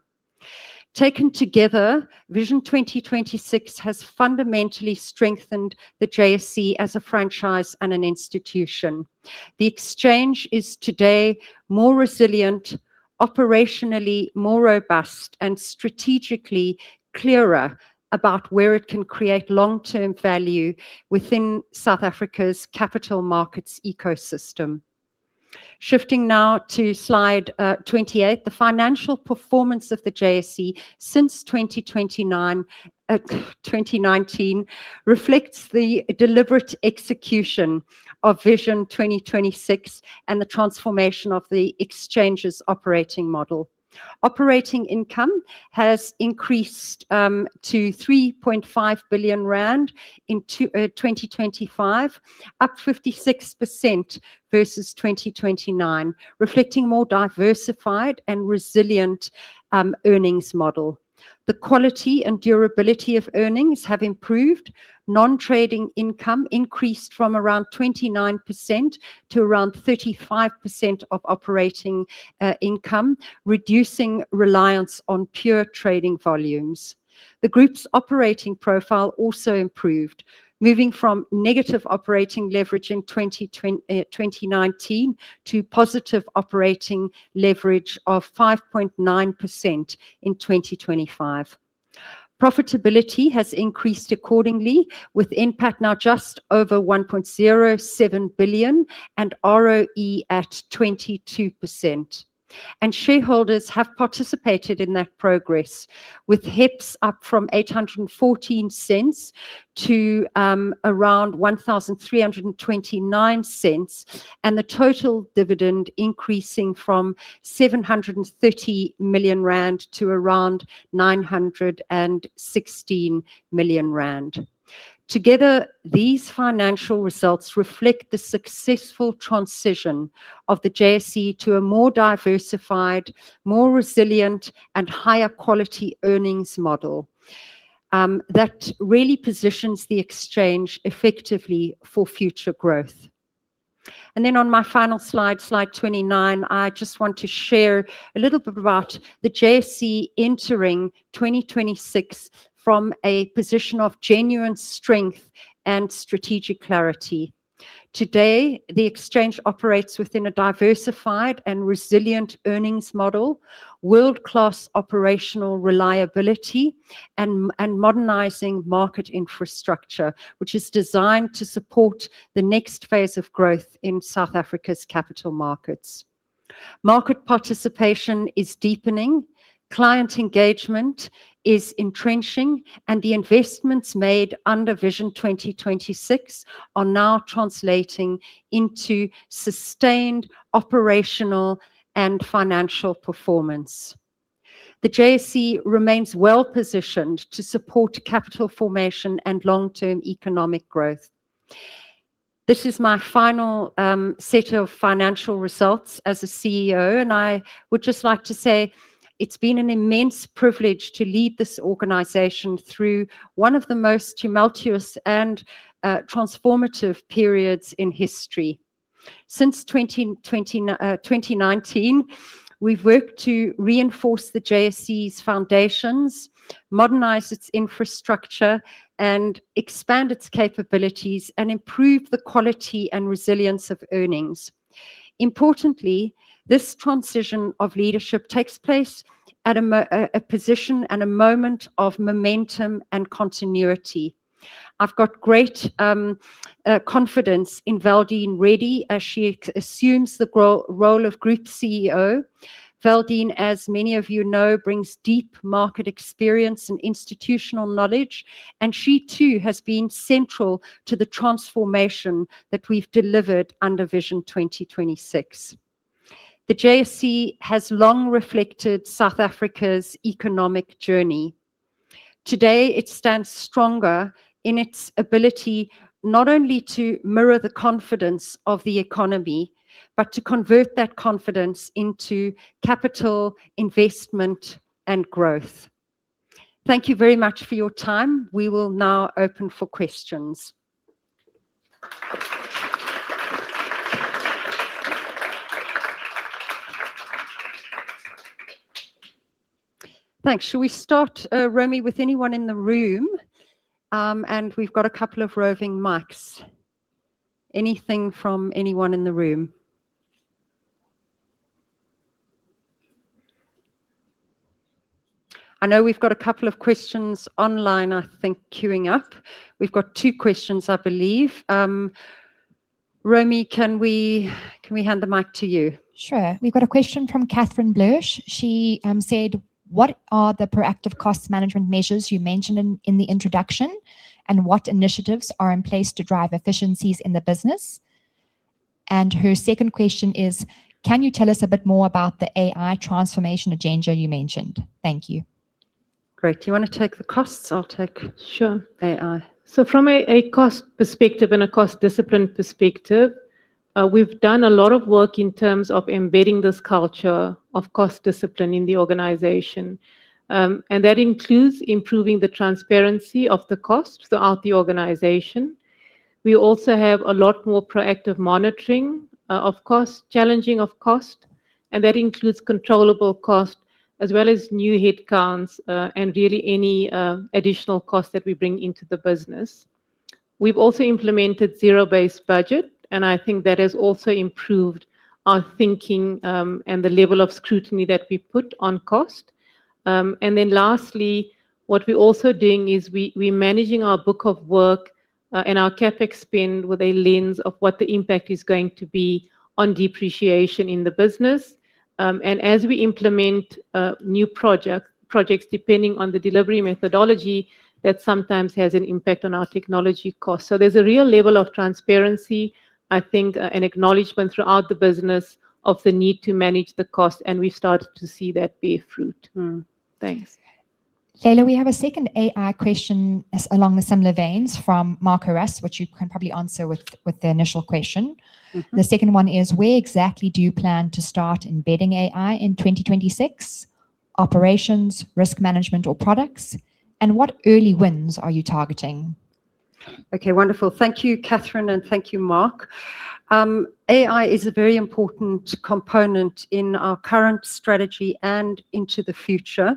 Taken together, Vision 2026 has fundamentally strengthened the JSE as a franchise and an institution. The exchange is today more resilient, operationally more robust, and strategically clearer about where it can create long-term value within South Africa's capital markets ecosystem. Shifting now to slide 28, the financial performance of the JSE since 2019 reflects the deliberate execution of Vision 2026 and the transformation of the exchange's operating model. Operating income has increased to 3.5 billion rand in 2025, up 56% versus 2029, reflecting more diversified and resilient earnings model. The quality and durability of earnings have improved. Non-trading income increased from around 29% to around 35% of operating income, reducing reliance on pure trading volumes. The group's operating profile also improved, moving from negative operating leverage in 2019 to positive operating leverage of 5.9% in 2025. Profitability has increased accordingly, with NPAT now just over 1.07 billion and ROE at 22%. Shareholders have participated in that progress, with HEPS up from 8.14 to around 13.29, and the total dividend increasing from 730 million rand to around 916 million rand. Together, these financial results reflect the successful transition of the JSE to a more diversified, more resilient, and higher quality earnings model that really positions the exchange effectively for future growth. On my final slide 29, I just want to share a little bit about the JSE entering 2026 from a position of genuine strength and strategic clarity. Today, the exchange operates within a diversified and resilient earnings model, world-class operational reliability, modernizing market infrastructure, which is designed to support the next phase of growth in South Africa's capital markets. Market participation is deepening, client engagement is entrenching, the investments made under Vision 2026 are now translating into sustained operational and financial performance. The JSE remains well-positioned to support capital formation and long-term economic growth. This is my final set of financial results as a CEO, I would just like to say it's been an immense privilege to lead this organization through one of the most tumultuous and transformative periods in history. Since 2019, we've worked to reinforce the JSE's foundations, modernize its infrastructure, expand its capabilities, improve the quality and resilience of earnings. Importantly, this transition of leadership takes place at a position and a moment of momentum and continuity. I've got great confidence in Valdene Reddy as she assumes the role of Group CEO. Valdene, as many of you know, brings deep market experience and institutional knowledge, and she too has been central to the transformation that we've delivered under Vision 2026. The JSE has long reflected South Africa's economic journey. Today, it stands stronger in its ability not only to mirror the confidence of the economy, but to convert that confidence into capital investment and growth. Thank you very much for your time. We will now open for questions. Thanks. Shall we start, Romy, with anyone in the room? We've got a couple of roving mics. Anything from anyone in the room? I know we've got a couple of questions online, I think, queuing up. We've got two questions, I believe. Romy, can we hand the mic to you? Sure. We've got a question from Catherine Bloesch. She said, "What are the proactive cost management measures you mentioned in the introduction? And what initiatives are in place to drive efficiencies in the business?" Her second question is, "Can you tell us a bit more about the AI transformation agenda you mentioned? Thank you. Great. Do you want to take the costs? Sure... AI. From a cost perspective and a cost discipline perspective, we've done a lot of work in terms of embedding this culture of cost discipline in the organization. That includes improving the transparency of the costs throughout the organization. We also have a lot more proactive monitoring of cost, challenging of cost, and that includes controllable cost as well as new headcounts, and really any additional cost that we bring into the business. We've also implemented zero-based budgeting, and I think that has also improved our thinking, and the level of scrutiny that we put on cost. Lastly, what we're also doing is we're managing our book of work, and our CapEx spend with a lens of what the impact is going to be on depreciation in the business. As we implement new projects depending on the delivery methodology, that sometimes has an impact on our technology cost. There's a real level of transparency, I think, an acknowledgement throughout the business of the need to manage the cost, and we've started to see that bear fruit. Mm-hmm. Thanks. Leila, we have a second AI question as along the similar veins from Mark Horrist, which you can probably answer with the initial question. Mm-hmm. The second one is: where exactly do you plan to start embedding AI in 2026, operations, risk management or products? What early wins are you targeting? Wonderful. Thank you, Catherine, and thank you, Mark. AI is a very important component in our current strategy and into the future.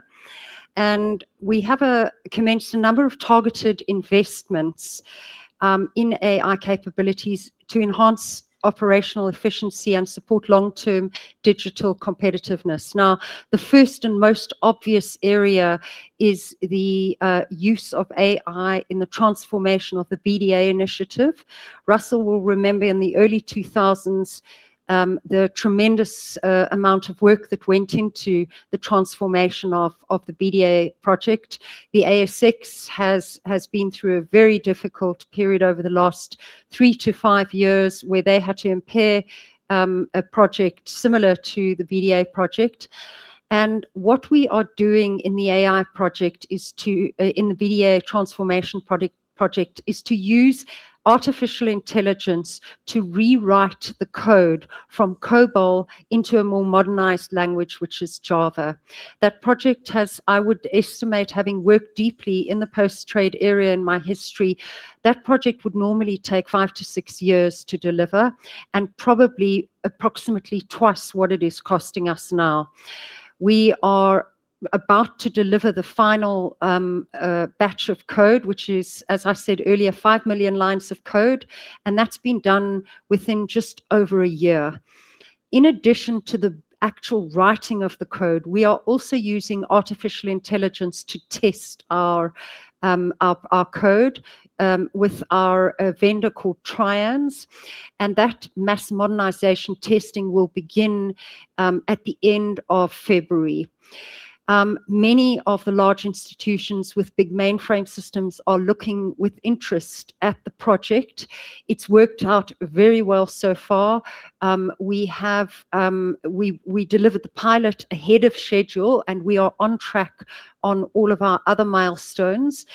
We have commenced a number of targeted investments in AI capabilities to enhance operational efficiency and support long-term digital competitiveness. The first and most obvious area is the use of AI in the transformation of the BDA initiative. Russell will remember in the early 2000s, the tremendous amount of work that went into the transformation of the BDA project. The ASX has been through a very difficult period over the last three to five years, where they had to impair a project similar to the BDA project. What we are doing in the BDA transformation project is to use artificial intelligence to rewrite the code from COBOL into a more modernized language, which is Java. That project has, I would estimate, having worked deeply in the post-trade area in my history, that project would normally take five to six years to deliver and probably approximately twice what it is costing us now. We are about to deliver the final batch of code, which is, as I said earlier, 5 million lines of code, and that's been done within just over a year. In addition to the actual writing of the code, we are also using artificial intelligence to test our code with our vendor called Trianz, and that mass modernization testing will begin at the end of February. Many of the large institutions with big mainframe systems are looking with interest at the project. It's worked out very well so far. We have, we delivered the pilot ahead of schedule, we are on track on all of our other milestones.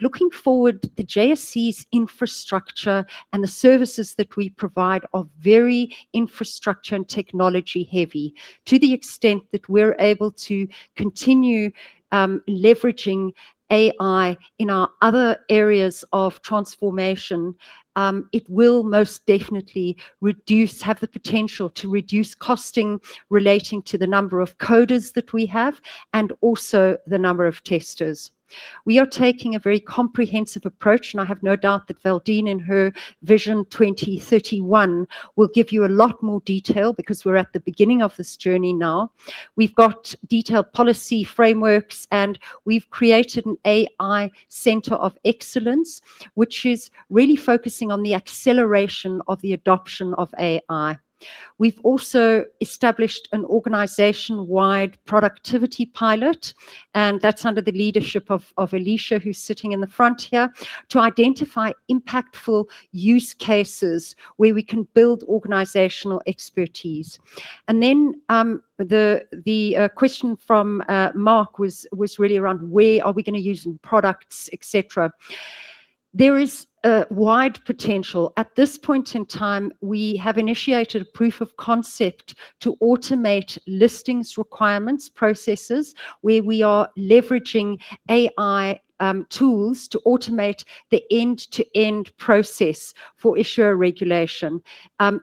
Looking forward, the JSE's infrastructure and the services that we provide are very infrastructure and technology-heavy. To the extent that we're able to continue leveraging AI in our other areas of transformation, it will most definitely have the potential to reduce costing relating to the number of coders that we have and also the number of testers. We are taking a very comprehensive approach, I have no doubt that Valdene in her Vision 2031 will give you a lot more detail because we're at the beginning of this journey now. We've got detailed policy frameworks, and we've created an AI center of excellence, which is really focusing on the acceleration of the adoption of AI. We've also established an organization-wide productivity pilot, and that's under the leadership of Alicia, who's sitting in the front here, to identify impactful use cases where we can build organizational expertise. Then the question from Mark was really around where are we gonna use products, et cetera. There is a wide potential. At this point in time, we have initiated a proof of concept to automate listings requirements, processes where we are leveraging AI tools to automate the end-to-end process for issuer regulation,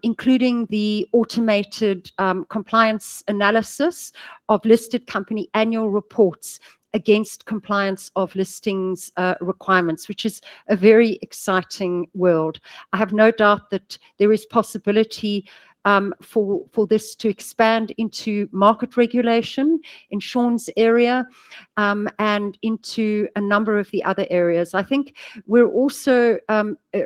including the automated compliance analysis of listed company annual reports against compliance of listings requirements, which is a very exciting world. I have no doubt that there is possibility, for this to expand into market regulation in Shaun's area, and into a number of the other areas. I think we're also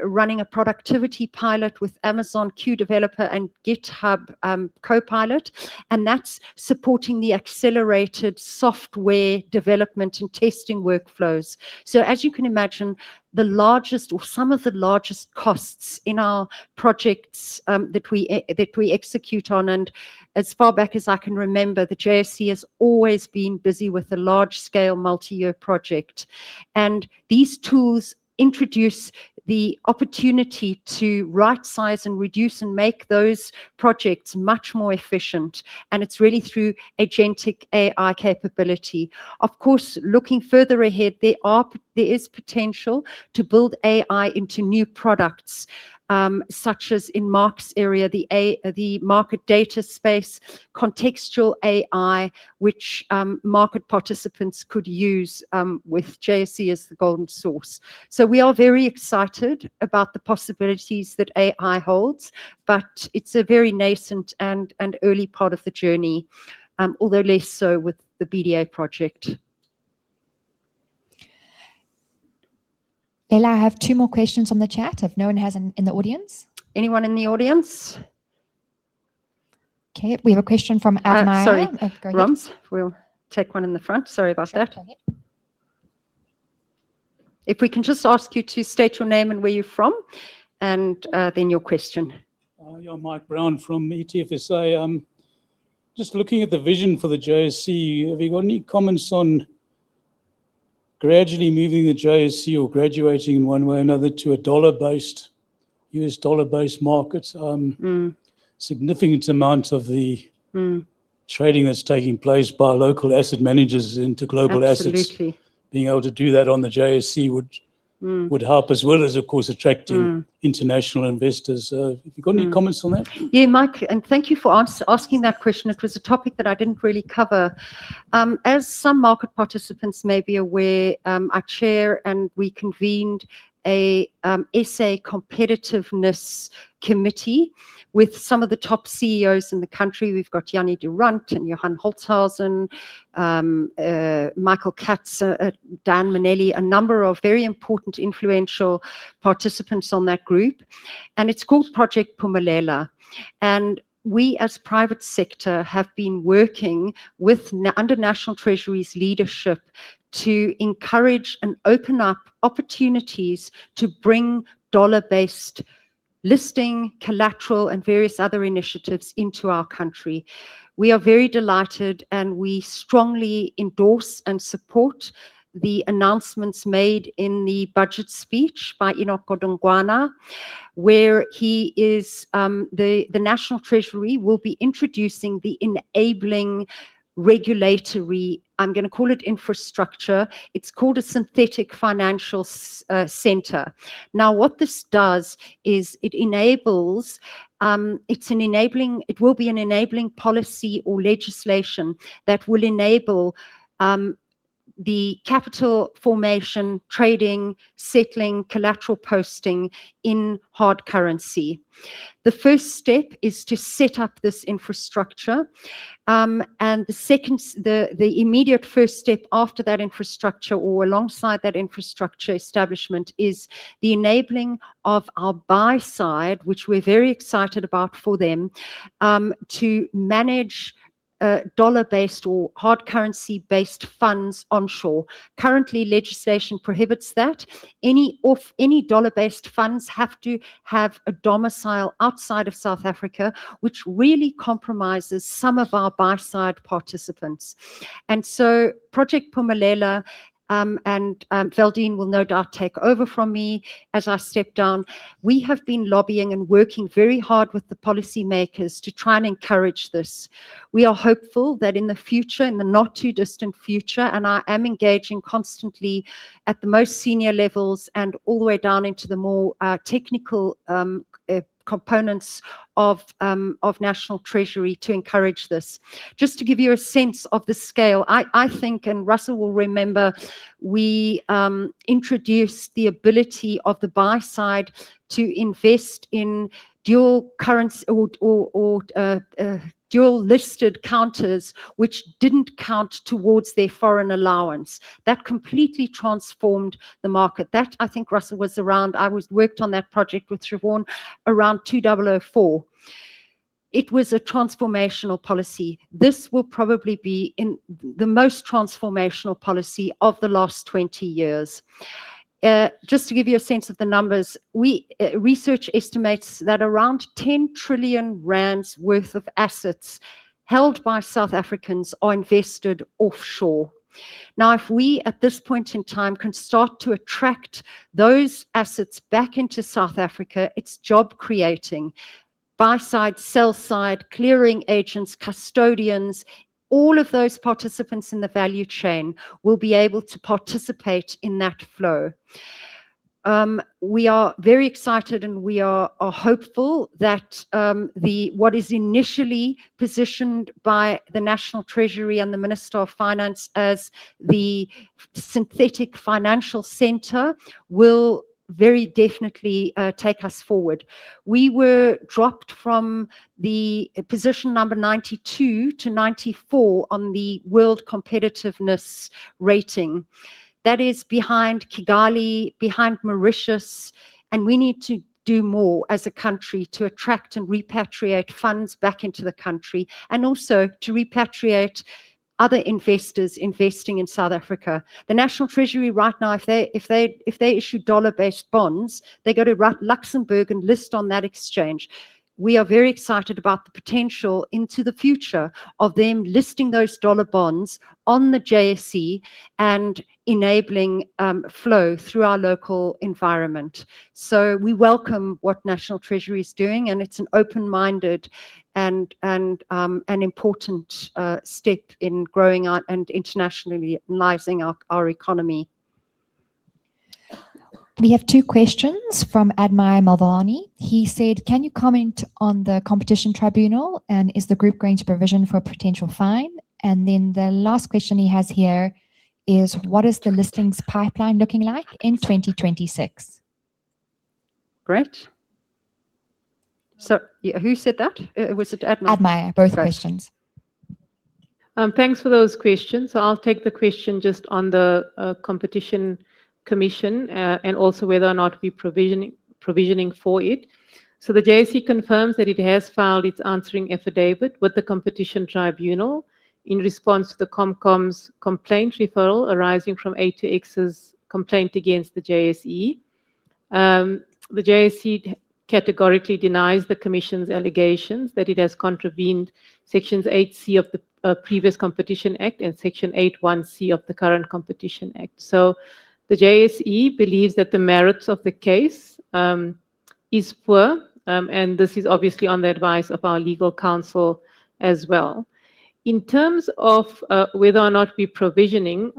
running a productivity pilot with Amazon Q Developer and GitHub Copilot, and that's supporting the accelerated software development and testing workflows. As you can imagine, the largest or some of the largest costs in our projects, that we execute on and as far back as I can remember, the JSE has always been busy with a large scale multi-year project. These tools introduce the opportunity to rightsize and reduce and make those projects much more efficient. It's really through agentic AI capability. Of course, looking further ahead, there is potential to build AI into new products, such as in Mark's area, the market data space, contextual AI, which, market participants could use, with JSE as the golden source. We are very excited about the possibilities that AI holds, but it's a very nascent and early part of the journey, although less so with the BDA project. Elna, I have two more questions on the chat if no one has in the audience. Anyone in the audience? Okay. We have a question from Adam. Sorry. Oh, go ahead. We'll take one in the front. Sorry about that. Sure. Go ahead. If we can just ask you to state your name and where you're from and, then your question. Hi, I'm Mike Brown from ETFSA. Just looking at the vision for the JSE, have you got any comments on gradually moving the JSE or graduating in one way or another to a US dollar-based market? Mm. significant amount of the-. Mm trading that's taking place by local asset managers into global assets. Absolutely. Being able to do that on the JSE. Mm... would help as well as, of course. Mm... international investors. Have you got any comments on that? Yeah, Mike, thank you for asking that question. It was a topic that I didn't really cover. As some market participants may be aware, I chair and we convened a SA competitiveness committee with some of the top CEOs in the country. We've got Jannie Durand and Johann Holtzhausen, Michael Katz, Daniel Mminele, a number of very important influential participants on that group, and it's called Project Phumelela. We, as private sector, have been working under National Treasury's leadership to encourage and open up opportunities to bring dollar-based listing, collateral, and various other initiatives into our country. We are very delighted, and we strongly endorse and support the announcements made in the budget speech by Enoch Godongwana, where he is, the National Treasury will be introducing the enabling regulatory, I'm gonna call it infrastructure. It's called a synthetic financial center. What this does is it enables, it will be an enabling policy or legislation that will enable the capital formation, trading, settling, collateral posting in hard currency. The first step is to set up this infrastructure, and the immediate first step after that infrastructure or alongside that infrastructure establishment is the enabling of our buy side, which we're very excited about for them to manage dollar-based or hard currency-based funds onshore. Currently, legislation prohibits that. Any dollar-based funds have to have a domicile outside of South Africa, which really compromises some of our buy side participants. Project Phumelela, and Valdene will no doubt take over from me as I step down. We have been lobbying and working very hard with the policymakers to try and encourage this. We are hopeful that in the future, in the not too distant future, and I am engaging constantly at the most senior levels and all the way down into the more technical components of National Treasury to encourage this. Just to give you a sense of the scale, I think, and Russell will remember, we introduced the ability of the buy side to invest in dual currency or dual-listed counters which didn't count towards their foreign allowance. That completely transformed the market. That, I think Russell was around. I worked on that project with Srivan around 2004. It was a transformational policy. This will probably be the most transformational policy of the last 20 years. Just to give you a sense of the numbers, we research estimates that around 10 trillion rand worth of assets held by South Africans are invested offshore. Now, if we at this point in time can start to attract those assets back into South Africa, it's job creating buy side, sell side, clearing agents, custodians, all of those participants in the value chain will be able to participate in that flow. We are very excited and we are hopeful that what is initially positioned by the National Treasury and the Minister of Finance as the synthetic financial center will very definitely take us forward. We were dropped from the position number 92 to 94 on the world competitiveness rating. That is behind Kigali, behind Mauritius, and we need to do more as a country to attract and repatriate funds back into the country and also to repatriate other investors investing in South Africa. The National Treasury right now, if they issue dollar-based bonds, they go to Ru-Luxembourg and list on that exchange. We are very excited about the potential into the future of them listing those dollar bonds on the JSE and enabling flow through our local environment. We welcome what National Treasury is doing, and it's an open-minded and an important step in growing our-- and internationally izing our economy. We have two questions from Admire Mulvani. He said, "Can you comment on the Competition Tribunal, and is the group going to provision for a potential fine?" The last question he has here is, "What is the listings pipeline looking like in 2026? Great. Who said that? Was it Admire? Admire, both questions. Great. Thanks for those questions. I'll take the question just on the Competition Commission and also whether or not we're provisioning for it. The JSE confirms that it has filed its answering affidavit with the Competition Tribunal in response to the Comp Com's complaint referral arising from A2X's complaint against the JSE. The JSE categorically denies the Commission's allegations that it has contravened Sections 8C of the previous Competition Act and Section 81C of the current Competition Act. The JSE believes that the merits of the case is poor, and this is obviously on the advice of our legal counsel as well. In terms of, whether or not we're provisioning,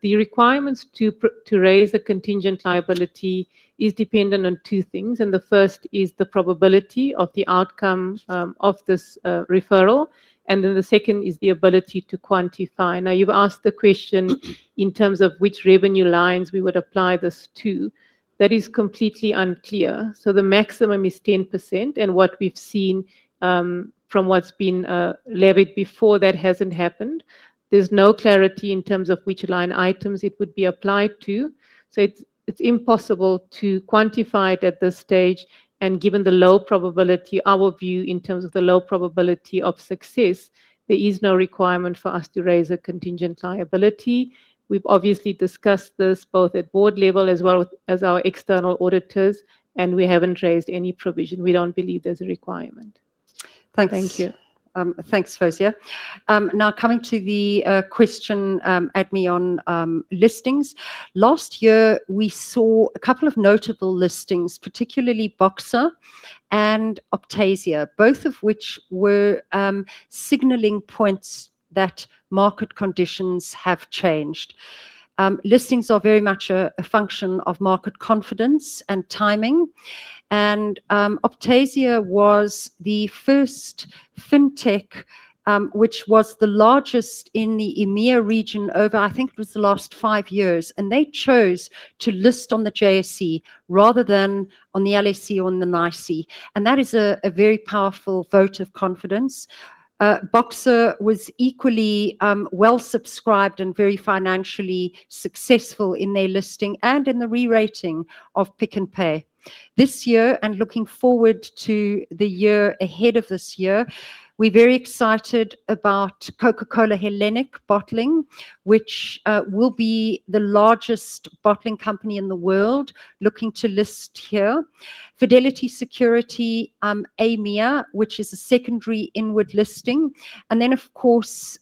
the requirements to raise a contingent liability is dependent on two things, and the first is the probability of the outcome, of this referral, and then the second is the ability to quantify. Now, you've asked the question in terms of which revenue lines we would apply this to. That is completely unclear. The maximum is 10%, and what we've seen, from what's been levied before, that hasn't happened. There's no clarity in terms of which line items it would be applied to. It's, it's impossible to quantify it at this stage, and given the low probability, our view in terms of the low probability of success, there is no requirement for us to raise a contingent liability. We've obviously discussed this both at board level as well as our external auditors. We haven't raised any provision. We don't believe there's a requirement. Thanks. Thank you. Thanks, Fawzia. Now coming to the question, Admire, on listings. Last year, we saw a couple of notable listings, particularly Boxer and Optasia, both of which were signaling points that market conditions have changed. Listings are very much a function of market confidence and timing. Optasia was the first fintech which was the largest in the EMEA region over, I think it was the last five years. They chose to list on the JSE rather than on the LSE or on the NYSE. That is a very powerful vote of confidence. Boxer was equally well-subscribed and very financially successful in their listing and in the re-rating of Pick n Pay. This year, looking forward to the year ahead of this year, we're very excited about Coca-Cola Hellenic Bottling, which will be the largest bottling company in the world looking to list here. Fidelity Security, AME, which is a secondary inward listing. Of course,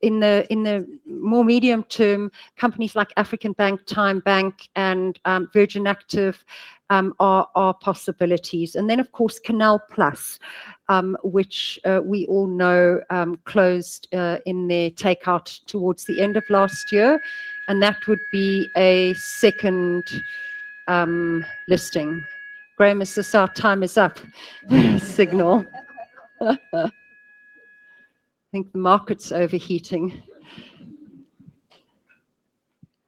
in the more medium term, companies like African Bank, TymeBank and Virgin Active are possibilities. Of course, Canal+, which we all know closed in their takeout towards the end of last year. That would be a second listing. Graeme, this is our time is up signal. I think the market's overheating.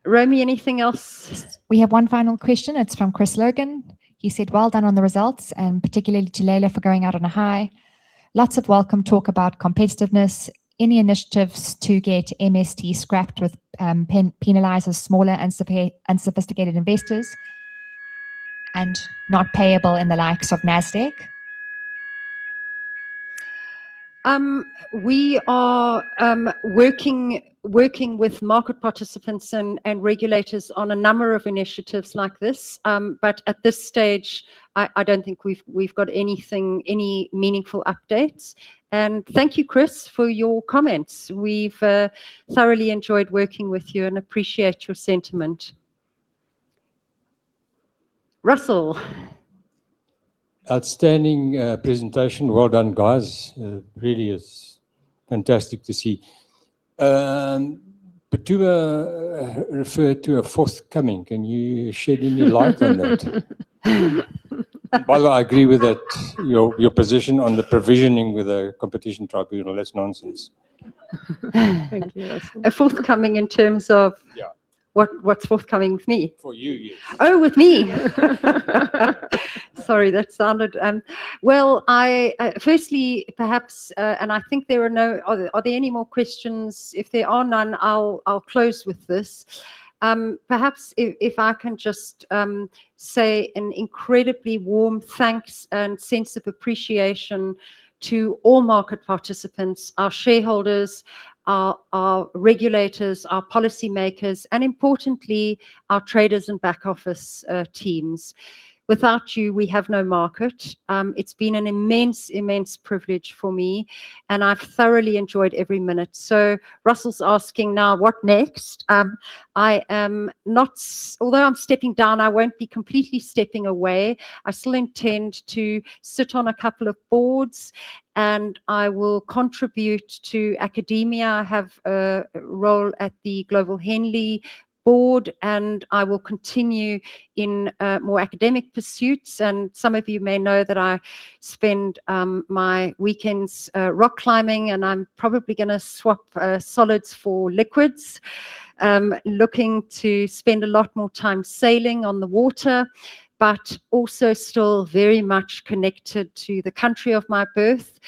Romy, anything else? We have one final question. It's from Chris Logan. He said, "Well done on the results, and particularly to Leila for going out on a high. Lots of welcome talk about competitiveness. Any initiatives to get MST scrapped with penalizes smaller unsophisticated investors and not payable in the likes of Nasdaq? We are working with market participants and regulators on a number of initiatives like this. At this stage, I don't think we've got anything, any meaningful updates. Thank you, Chris, for your comments. We've thoroughly enjoyed working with you and appreciate your sentiment. Outstanding presentation. Well done, guys. Really, it's fantastic to see. You referred to a forthcoming. Can you shed any light on that? While I agree with that, your position on the provisioning with the Competition Tribunal, that's nonsense. Thank you, Russell. A forthcoming in terms of. Yeah what's forthcoming with me? For you, yes. With me. Sorry, that sounded. Well, I, firstly, perhaps, are there any more questions? If there are none, I'll close with this. Perhaps if I can just say an incredibly warm thanks and sense of appreciation to all market participants, our shareholders, our regulators, our policymakers, and importantly, our traders and back office teams. Without you, we have no market. It's been an immense privilege for me, and I've thoroughly enjoyed every minute. Russell's asking now, what next? Although I'm stepping down, I won't be completely stepping away. I still intend to sit on a couple of boards, and I will contribute to academia. I have a role at the Global Henley board, and I will continue in more academic pursuits, and some of you may know that I spend my weekends rock climbing, and I'm probably gonna swap solids for liquids. Looking to spend a lot more time sailing on the water, but also still very much connected to the country of my birth,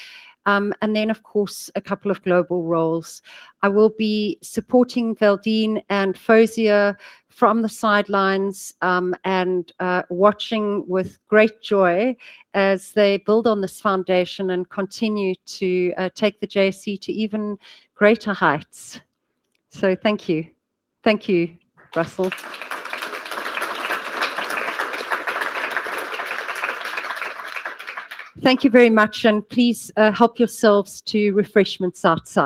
and then, of course, a couple of global roles. I will be supporting Valdene and Fawzia from the sidelines, and watching with great joy as they build on this foundation and continue to take the JSE to even greater heights. Thank you. Thank you, Russell. Thank you very much, and please help yourselves to refreshments outside.